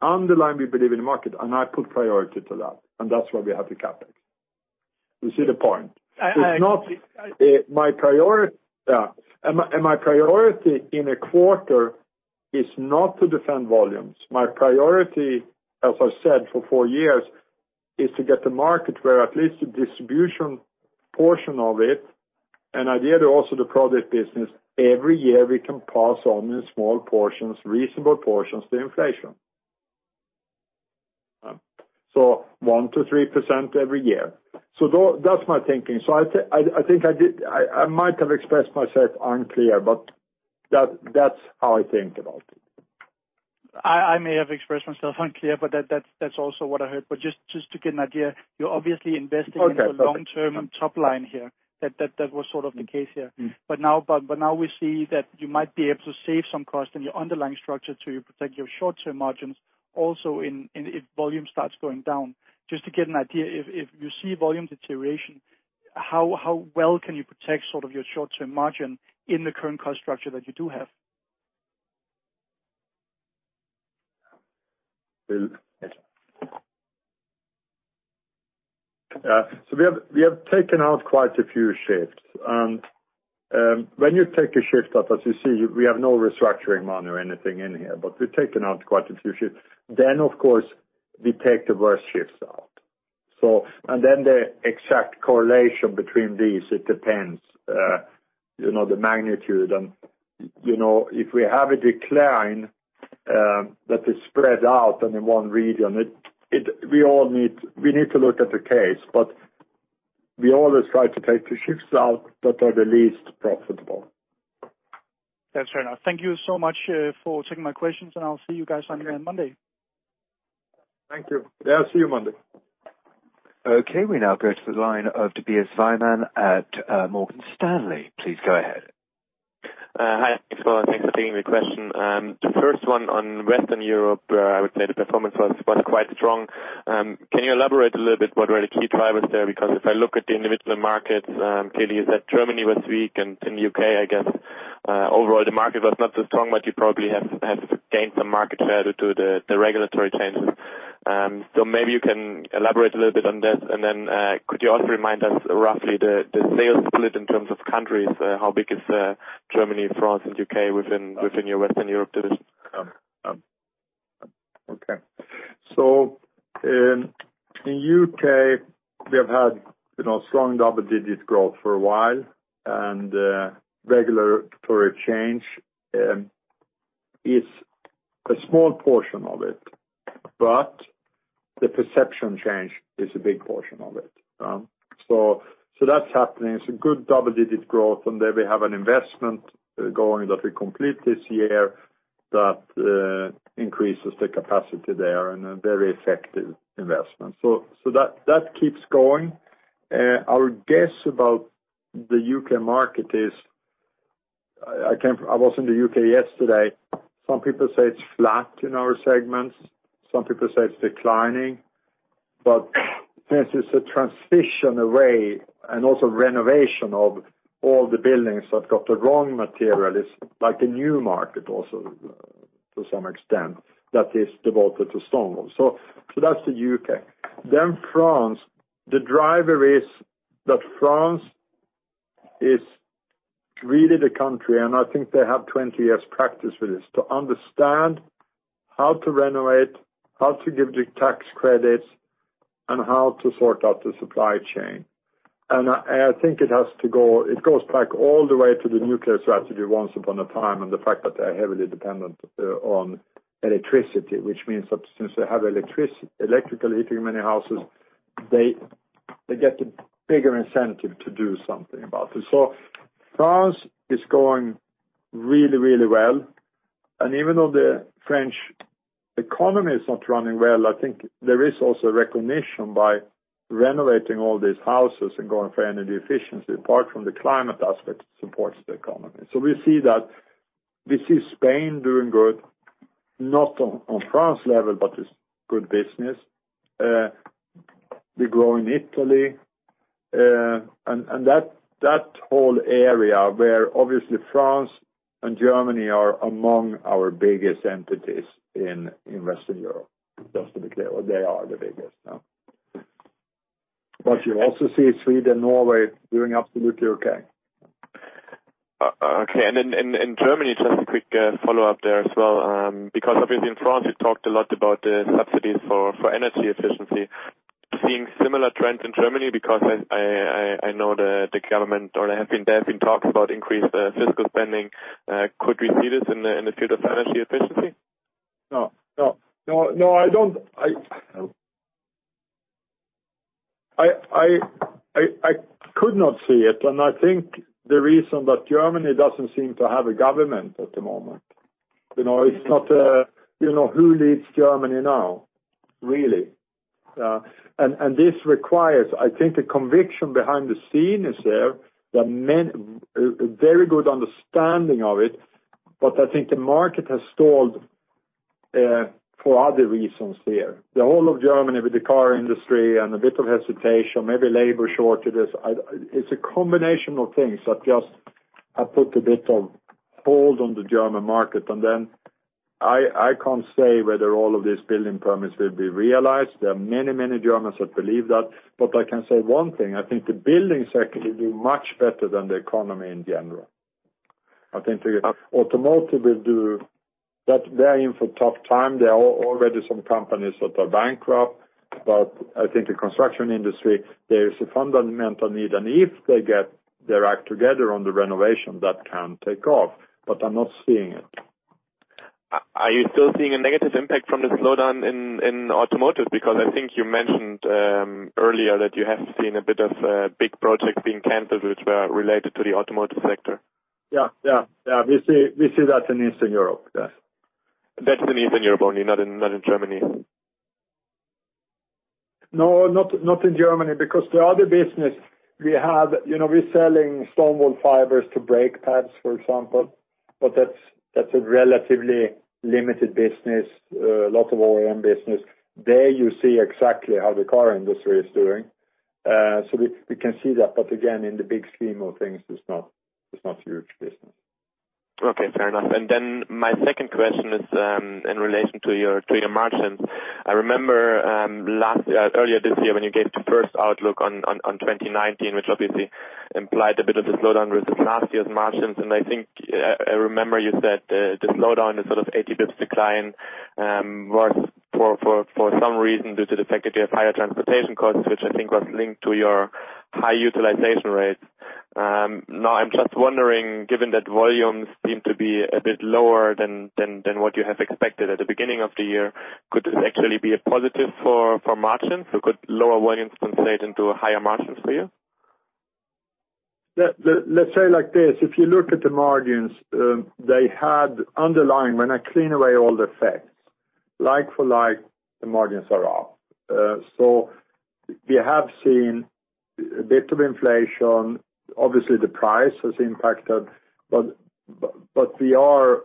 Underlying, we believe in the market, and I put priority to that, and that's why we have the CapEx. You see the point? I see. My priority in a quarter is not to defend volumes. My priority, as I said, for four years, is to get the market where at least the distribution portion of it, and ideally also the project business, every year we can pass on in small portions, reasonable portions, the inflation. 1%-3% every year. That's my thinking. I think I might have expressed myself unclear, but that's how I think about it. I may have expressed myself unclear, but that's also what I heard. Just to get an idea, you're obviously investing- Okay. -in the long-term top line here, that was sort of the case here. Now we see that you might be able to save some cost in your underlying structure to protect your short-term margins also if volume starts going down. Just to get an idea, if you see volume deterioration, how well can you protect your short-term margin in the current cost structure that you do have? We have taken out quite a few shifts, and when you take a shift out, as you see, we have no restructuring money or anything in here, but we've taken out quite a few shifts. Of course, we take the worst shifts out. The exact correlation between these, it depends, the magnitude and if we have a decline that is spread out in the one region, we need to look at the case, but we always try to take the shifts out that are the least profitable. That's fair enough. Thank you so much for taking my questions. I'll see you guys again on Monday. Thank you. Yeah, I'll see you Monday. Okay, we now go to the line of Tobias Symon at Morgan Stanley. Please go ahead. Hi. Thanks for taking the question. The first one on Western Europe, I would say the performance was quite strong. Can you elaborate a little bit what were the key drivers there? If I look at the individual markets, clearly you said Germany was weak, and in U.K., I guess, overall the market was not as strong, but you probably have gained some market share due to the regulatory changes. Maybe you can elaborate a little bit on this, and then could you also remind us roughly the sales split in terms of countries? How big is Germany, France, and U.K. within your Western Europe division? Okay. In U.K., we have had strong double-digit growth for a while, and regulatory change is a small portion of it, but the perception change is a big portion of it. That's happening. It's a good double-digit growth, and there we have an investment going that we complete this year that increases the capacity there and a very effective investment. That keeps going. Our guess about the U.K. market is, I was in the U.K. yesterday. Some people say it's flat in our segments, some people say it's declining. Since it's a transition away and also renovation of all the buildings that have got the wrong material, it's like a new market also to some extent that is devoted to stone wool. That's the U.K. France, the driver is that France is really the country, and I think they have 20 years practice with this, to understand how to renovate, how to give the tax credits, and how to sort out the supply chain. I think it goes back all the way to the nuclear strategy once upon a time, and the fact that they're heavily dependent on electricity, which means that since they have electrical heating in many houses, they get a bigger incentive to do something about it. France is going really, really well, and even though the French economy is not running well, I think there is also recognition by renovating all these houses and going for energy efficiency, apart from the climate aspect, supports the economy. We see that. We see Spain doing good, not on France level, but it's good business. We grow in Italy, that whole area where obviously France and Germany are among our biggest entities in Western Europe, just to be clear. They are the biggest now. You also see Sweden, Norway doing absolutely okay. Okay. In Germany, just a quick follow-up there as well, because obviously in France you talked a lot about the subsidies for energy efficiency. Seeing similar trends in Germany because I know the government or there have been talks about increased fiscal spending. Could we see this in the field of energy efficiency? No, I could not see it. I think the reason that Germany doesn't seem to have a government at the moment. Who leads Germany now, really? This requires, I think, a conviction behind the scenes there. A very good understanding of it, but I think the market has stalled for other reasons there, the whole of Germany with the car industry and a bit of hesitation, maybe labor shortages. It's a combination of things that just have put a bit of hold on the German market. I can't say whether all of these building permits will be realized. There are many Germans that believe that. I can say one thing, I think the building sector will do much better than the economy in general. I think the automotive will do. They're in for tough time. There are already some companies that are bankrupt. I think the construction industry, there is a fundamental need, and if they get their act together on the renovation, that can take off, but I'm not seeing it. Are you still seeing a negative impact from the slowdown in automotive? I think you mentioned earlier that you have seen a bit of big projects being canceled which were related to the automotive sector. Yeah. We see that in Eastern Europe. Yes. That's in Eastern Europe only, not in Germany? No, not in Germany because the other business we have, we're selling stone wool fibers to brake pads, for example, but that's a relatively limited business, a lot of OEM business. There you see exactly how the car industry is doing. We can see that, but again, in the big scheme of things, it's not huge business. Okay, fair enough. My second question is in relation to your margins. I remember earlier this year when you gave the first outlook on 2019, which obviously implied a bit of the slowdown versus last year's margins, and I think I remember you said the slowdown is sort of 80 basis points decline, was for some reason due to the fact that you have higher transportation costs, which I think was linked to your high utilization rates. I'm just wondering, given that volumes seem to be a bit lower than what you have expected at the beginning of the year, could this actually be a positive for margins? Could lower volumes translate into higher margins for you? Let's say it like this, if you look at the margins, they had underlying, when I clean away all the effects, like for like, the margins are up. We have seen a bit of inflation. Obviously, the price has impacted, but we are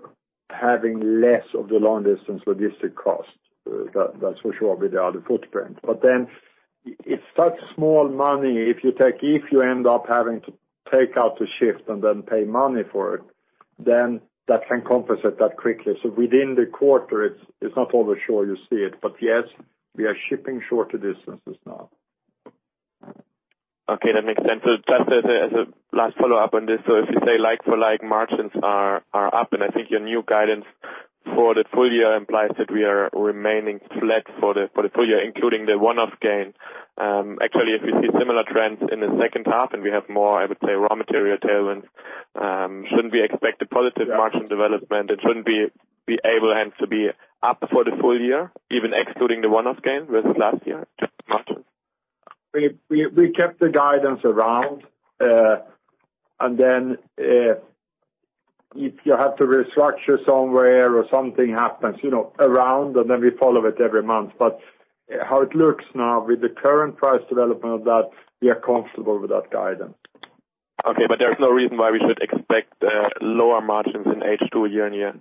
having less of the long-distance logistic cost, that's for sure, with the other footprint. It's such small money if you end up having to take out a shift and then pay money for it, then that can compensate that quickly. Within the quarter, it's not over sure you see it. Yes, we are shipping shorter distances now. Okay, that makes sense. Just as a last follow-up on this, if you say like for like margins are up, and I think your new guidance for the full year implies that we are remaining flat for the full year, including the one-off gain. If we see similar trends in the second half and we have more, I would say, raw material tailwinds, shouldn't we expect a positive margin development? Shouldn't we be able hence to be up for the full year, even excluding the one-off gain versus last year? We kept the guidance around. If you have to restructure somewhere or something happens around, we follow it every month. How it looks now with the current price development, that we are comfortable with that guidance. Okay, there's no reason why we should expect lower margins in H2 year-on-year. No,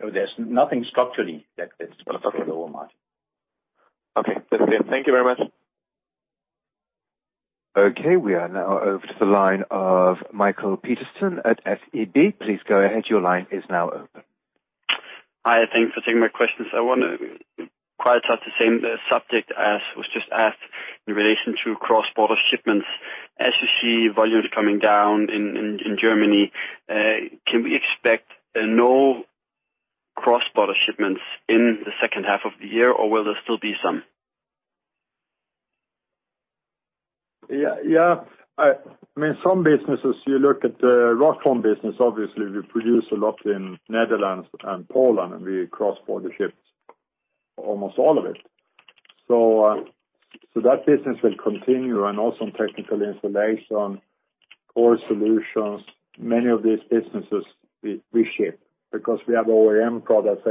there's nothing structurally that is going to affect the gross margin. Okay. That's it. Thank you very much. Okay, we are now over to the line of Michael Rasmussen at SEB. Please go ahead. Your line is now open. Hi, thanks for taking my questions. I want to quite touch the same subject as was just asked in relation to cross-border shipments. As you see volumes coming down in Germany, can we expect no cross-border shipments in the second half of the year, or will there still be some? Yeah. Some businesses, you look at the Rockwool business, obviously, we produce a lot in Netherlands and Poland, and we cross-border ship almost all of it. That business will continue and also in technical insulation, Core Solutions, many of these businesses we ship because we have OEM products,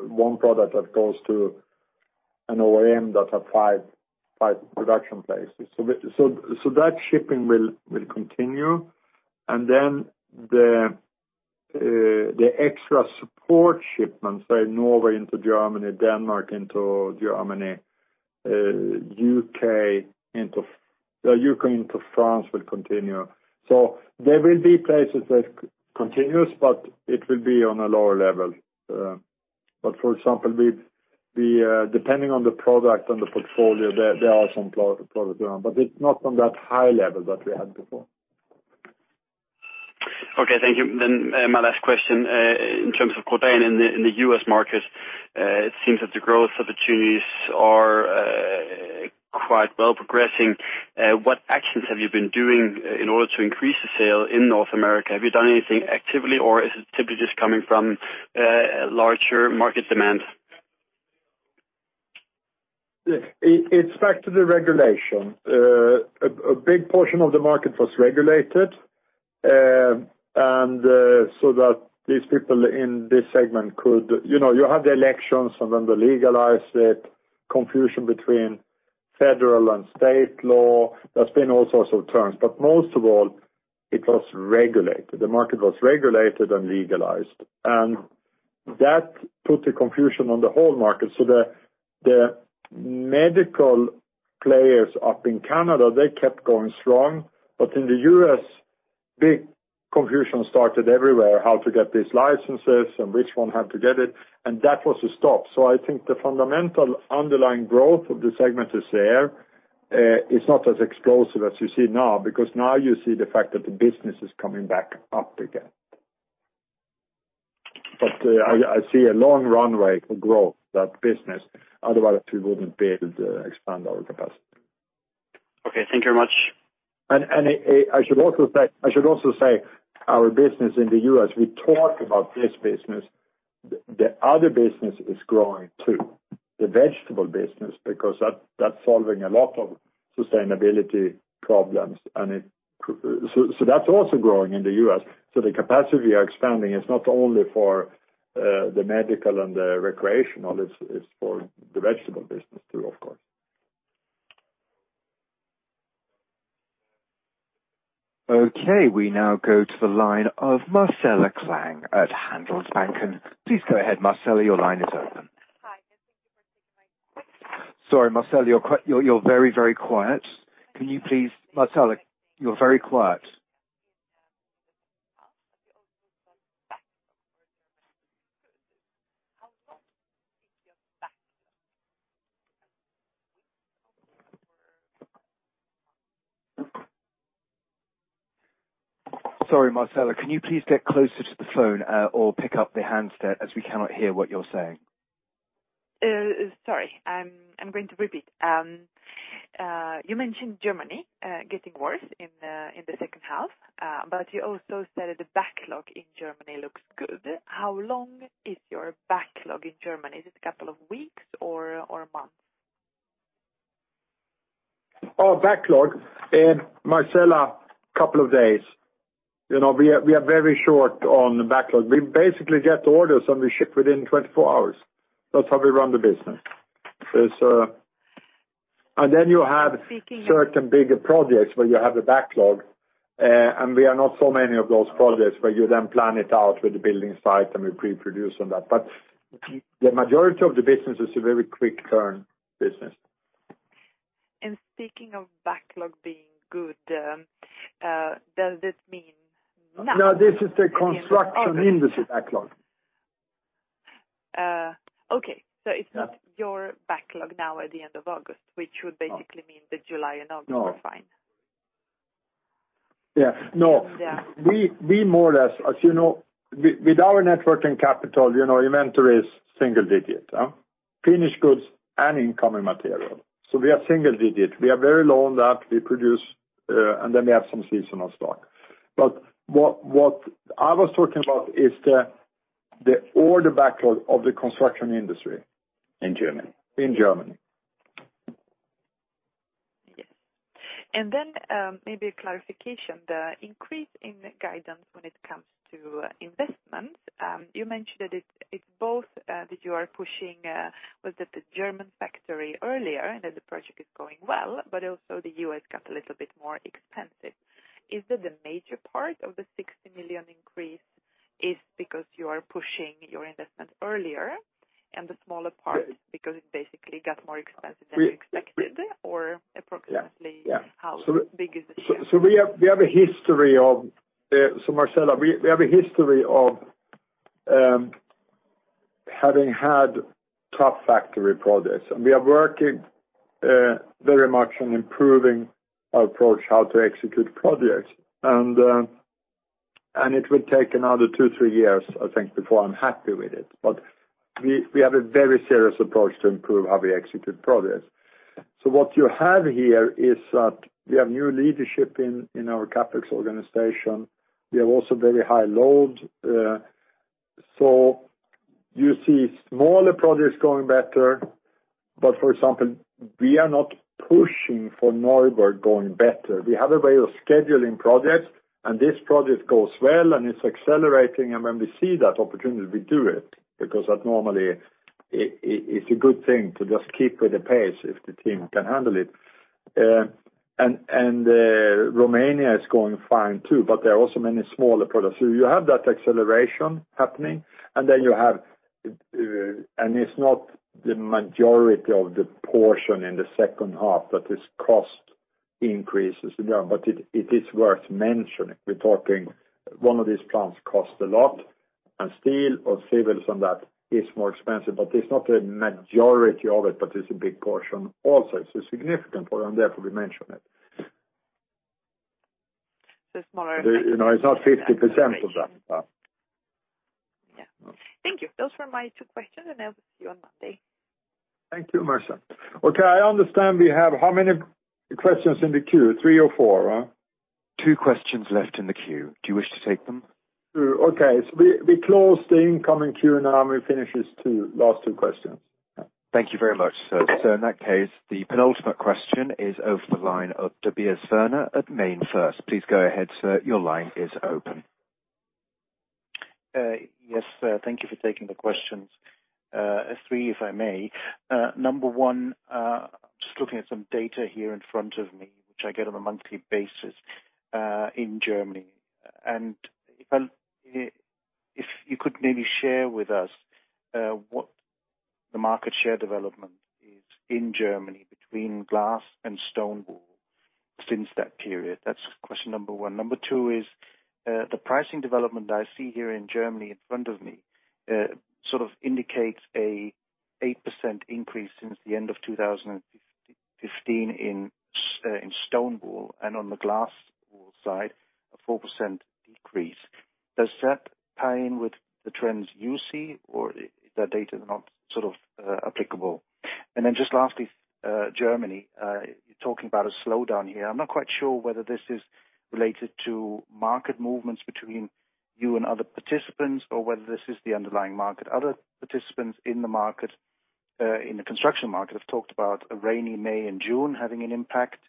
one product that goes to an OEM that have five production places. That shipping will continue, and then the extra support shipments, say, Norway into Germany, Denmark into Germany, U.K. into France will continue. There will be places that continues, but it will be on a lower level. For example, depending on the product and the portfolio, there are some products going on, but it's not on that high level that we had before. Okay, thank you. My last question, in terms of Grodan in the U.S. market, it seems that the growth opportunities are quite well progressing. What actions have you been doing in order to increase the sale in North America? Have you done anything actively, or is it typically just coming from larger market demands? It's back to the regulation. A big portion of the market was regulated. You have the elections, they legalize it, confusion between federal and state law. There's been all sorts of terms, most of all, it was regulated. The market was regulated and legalized, that put the confusion on the whole market. The medical players up in Canada, they kept going strong. In the U.S., big confusion started everywhere, how to get these licenses and which one had to get it, and that was a stop. I think the fundamental underlying growth of the segment is there. It's not as explosive as you see now, because now you see the fact that the business is coming back up again. I see a long runway for growth, that business, otherwise we wouldn't be able to expand our capacity. Okay, thank you very much. I should also say, our business in the U.S., we talk about this business, the other business is growing too. The vegetable business, because that's solving a lot of sustainability problems. That's also growing in the U.S., the capacity we are expanding is not only for the medical and the recreational, it's for the vegetable business too, of course. Okay, we now go to the line of Marcela Klang at Handelsbanken. Please go ahead, Marcella, your line is open. Hi, thank you for taking my question. Sorry, Marcella, you're very quiet. Sorry, Marcella, can you please get closer to the phone or pick up the handset as we cannot hear what you're saying? Sorry, I'm going to repeat. You mentioned Germany getting worse in the second half. You also said that the backlog in Germany looks good. How long is your backlog in Germany? Is it a couple of weeks or months? Our backlog, Marcela, couple of days. We are very short on the backlog. We basically get orders, and we ship within 24 hours. That's how we run the business. You have certain bigger projects where you have a backlog, and we are not so many of those projects where you then plan it out with the building site, and we pre-produce on that. The majority of the business is a very quick turn business. Speaking of backlog being good, does this mean now? No, this is the construction industry backlog. Okay. It's not your backlog now at the end of August, which would basically mean that July and August were fine. Yeah. No. Yeah. We more or less, as you know, with our net working capital, inventory is single digit, finished goods and incoming material. We are single digit. We are very low on that. We produce, and then we have some seasonal stock. What I was talking about is the order backlog of the construction industry. In Germany. In Germany. Yes. Maybe a clarification, the increase in guidance when it comes to investments. You mentioned that it's both, that you are pushing, was it the German factory earlier and that the project is going well, but also the U.S. got a little bit more expensive. Is it the major part of the 60 million increase is because you are pushing your investment earlier and the smaller part is because it basically got more expensive than you expected? Approximately how big is it here? Marcela, we have a history of having had tough factory projects, and we are working very much on improving our approach, how to execute projects. It will take another two, three years, I think, before I'm happy with it. We have a very serious approach to improve how we execute projects. What you have here is that we have new leadership in our CapEx organization. We have also very high load. You see smaller projects going better, but for example, we are not pushing for Neuburg going better. We have a way of scheduling projects, and this project goes well, and it's accelerating, and when we see that opportunity, we do it because that normally it's a good thing to just keep with the pace if the team can handle it. Romania is going fine too, but there are also many smaller projects. You have that acceleration happening. It's not the majority of the portion in the second half that is cost increases, but it is worth mentioning. We're talking one of these plants cost a lot, and steel or civils on that is more expensive. It's not a majority of it, but it's a big portion also. It's a significant portion, therefore we mention it. So it's more- It's not 50% of that. Yeah. Thank you. Those were my two questions. I will see you on Monday. Thank you, Marcela. Okay, I understand we have how many questions in the queue? Three or four, huh? Two questions left in the queue. Do you wish to take them? Okay, we close the incoming queue now and we finish these last two questions. Thank you very much, sir. In that case, the penultimate question is over the line of Tobias Werner at MainFirst. Please go ahead, sir. Your line is open. Yes, thank you for taking the questions. Three, if I may. Number one, just looking at some data here in front of me, which I get on a monthly basis, in Germany. If you could maybe share with us what the market share development is in Germany between glass wool and stone wool since that period. That's question number one. Number two is, the pricing development I see here in Germany in front of me, sort of indicates a 8% increase since the end of 2015 in stone wool, and on the glass wool side, a 4% decrease. Does that tie in with the trends you see, or is that data not sort of applicable? Just lastly, Germany, you're talking about a slowdown here. I'm not quite sure whether this is related to market movements between you and other participants or whether this is the underlying market. Other participants in the construction market have talked about a rainy May and June having an impact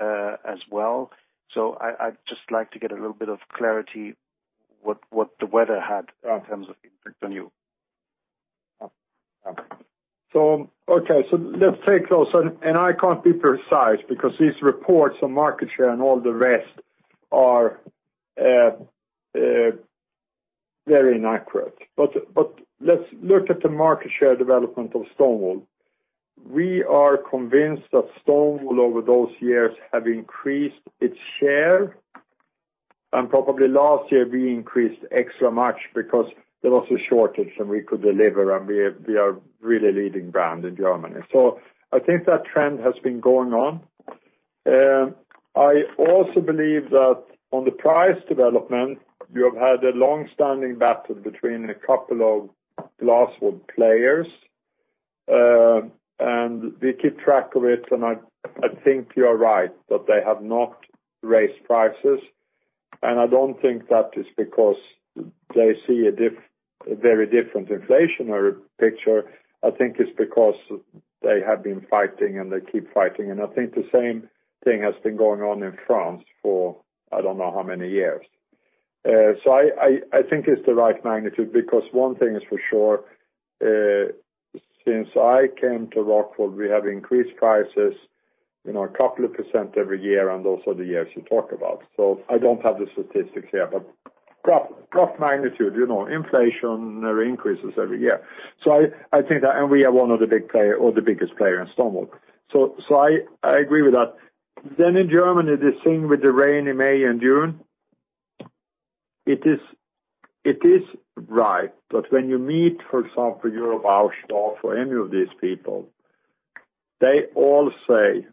as well. I just like to get a little bit of clarity what the weather had in terms of impact on you. Okay. Let's take those, and I can't be precise because these reports on market share and all the rest are very inaccurate. Let's look at the market share development of stone wool. We are convinced that stone wool over those years have increased its share, and probably last year we increased extra much because there was a shortage and we could deliver, and we are really leading brand in Germany. I think that trend has been going on. I also believe that on the price development, you have had a long-standing battle between a couple of glass wool players, and we keep track of it, and I think you are right that they have not raised prices, and I don't think that is because they see a very different inflationary picture. I think it's because they have been fighting, and they keep fighting. I think the same thing has been going on in France for I don't know how many years. I think it's the right magnitude because one thing is for sure, since I came to Rockwool, we have increased prices a couple of percent every year and those are the years you talk about. I don't have the statistics here, but rough magnitude, inflation increases every year. I think that, and we are one of the biggest player in stone wool. I agree with that. In Germany, the thing with the rain in May and June, it is right that when you meet, for example, your outdoor for any of these people, they all say,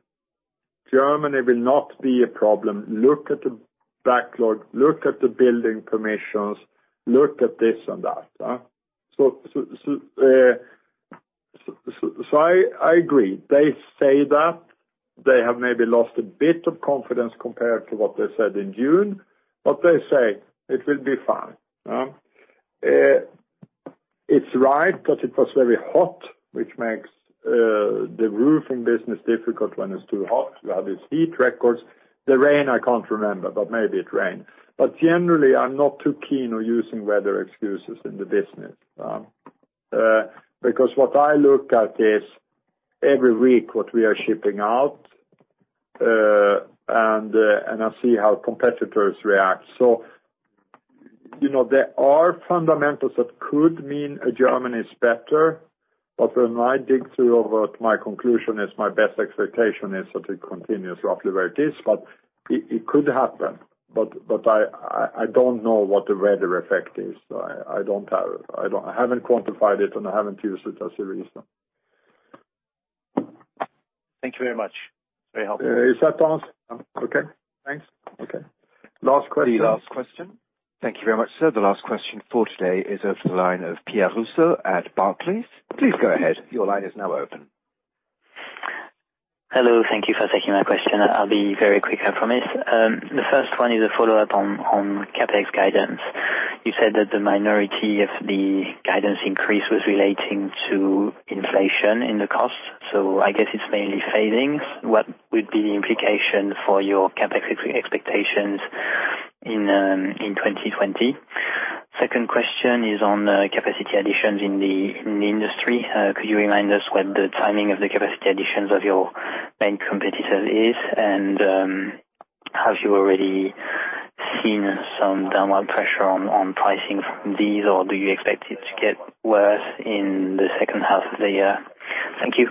Germany will not be a problem. Look at the backlog, look at the building permissions, look at this and that. I agree. They say that they have maybe lost a bit of confidence compared to what they said in June, but they say it will be fine. It's right because it was very hot, which makes the roofing business difficult when it's too hot. We have these heat records. The rain, I can't remember, but maybe it rained. Generally, I'm not too keen on using weather excuses in the business. What I look at is every week what we are shipping out, and I see how competitors react. There are fundamentals that could mean Germany is better, but when I dig through what my conclusion is, my best expectation is that it continues roughly where it is, but it could happen, but I don't know what the weather effect is. I haven't quantified it, and I haven't used it as a reason. Thank you very much. Very helpful. Is that all? Okay, thanks. Okay. Last question. The last question. Thank you very much, sir. The last question for today is over the line of Pierre Rousseau at Barclays. Please go ahead. Your line is now open. Hello. Thank you for taking my question. I'll be very quick, I promise. The first one is a follow-up on CapEx guidance. You said that the minority of the guidance increase was relating to inflation in the cost, so I guess it's mainly failings. What would be the implication for your CapEx expectations in 2020? Second question is on capacity additions in the industry. Could you remind us what the timing of the capacity additions of your main competitor is? Have you already seen some downward pressure on pricing from these, or do you expect it to get worse in the second half of the year? Thank you.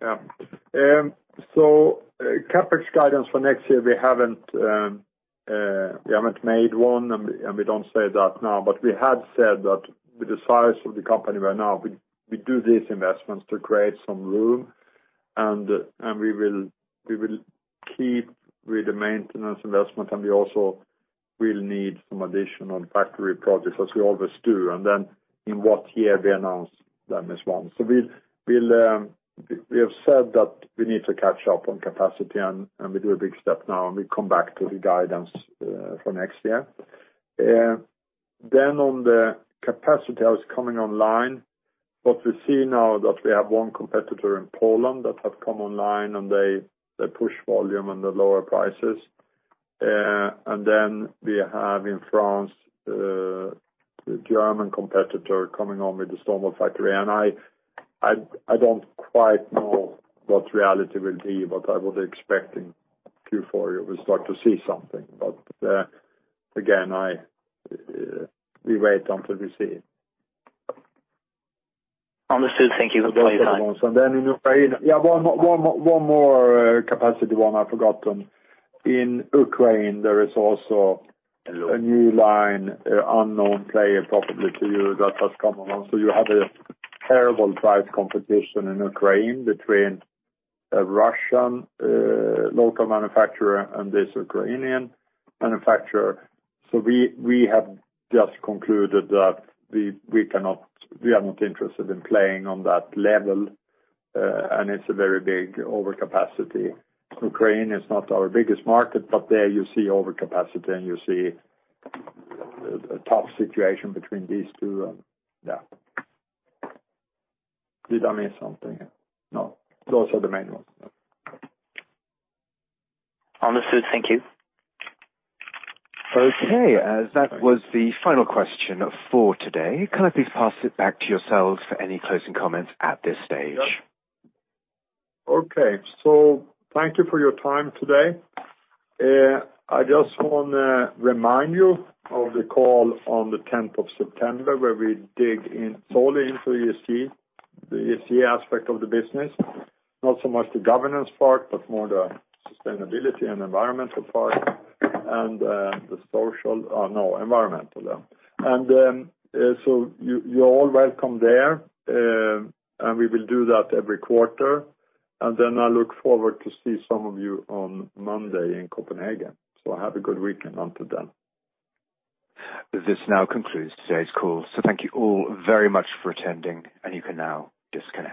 Yeah. CapEx guidance for next year, we haven't made one, and we don't say that now, but we have said that with the size of the company right now, we do these investments to create some room, and we will keep with the maintenance investment, and we also will need some additional factory projects as we always do. In what year we announce them as one. We have said that we need to catch up on capacity, and we do a big step now, and we come back to the guidance for next year. On the capacity that was coming online, what we see now that we have one competitor in Poland that have come online, and they push volume and the lower prices. We have in France, the German competitor coming on with the stone wool factory. I don't quite know what reality will be, but I would expect in Q4 we will start to see something. Again, we wait until we see it. Understood. Thank you. That's very kind. In Ukraine, one more capacity, one I forgotten. In Ukraine, there is also a new line, unknown player probably to you that has come along. You have a terrible price competition in Ukraine between a Russian local manufacturer and this Ukrainian manufacturer. We have just concluded that we are not interested in playing on that level. It's a very big overcapacity. Ukraine is not our biggest market, but there you see overcapacity, and you see a tough situation between these two. Did I miss something? No. Those are the main ones. Understood. Thank you. Okay. That was the final question for today. Can I please pass it back to yourselves for any closing comments at this stage? Yeah. Okay. Thank you for your time today. I just want to remind you of the call on the 10th of September, where we dig solely into the ESG aspect of the business. Not so much the governance part, but more the sustainability and environmental part, environmental. You're all welcome there. We will do that every quarter. I look forward to see some of you on Monday in Copenhagen. Have a good weekend until then. This now concludes today's call. Thank you all very much for attending, and you can now disconnect.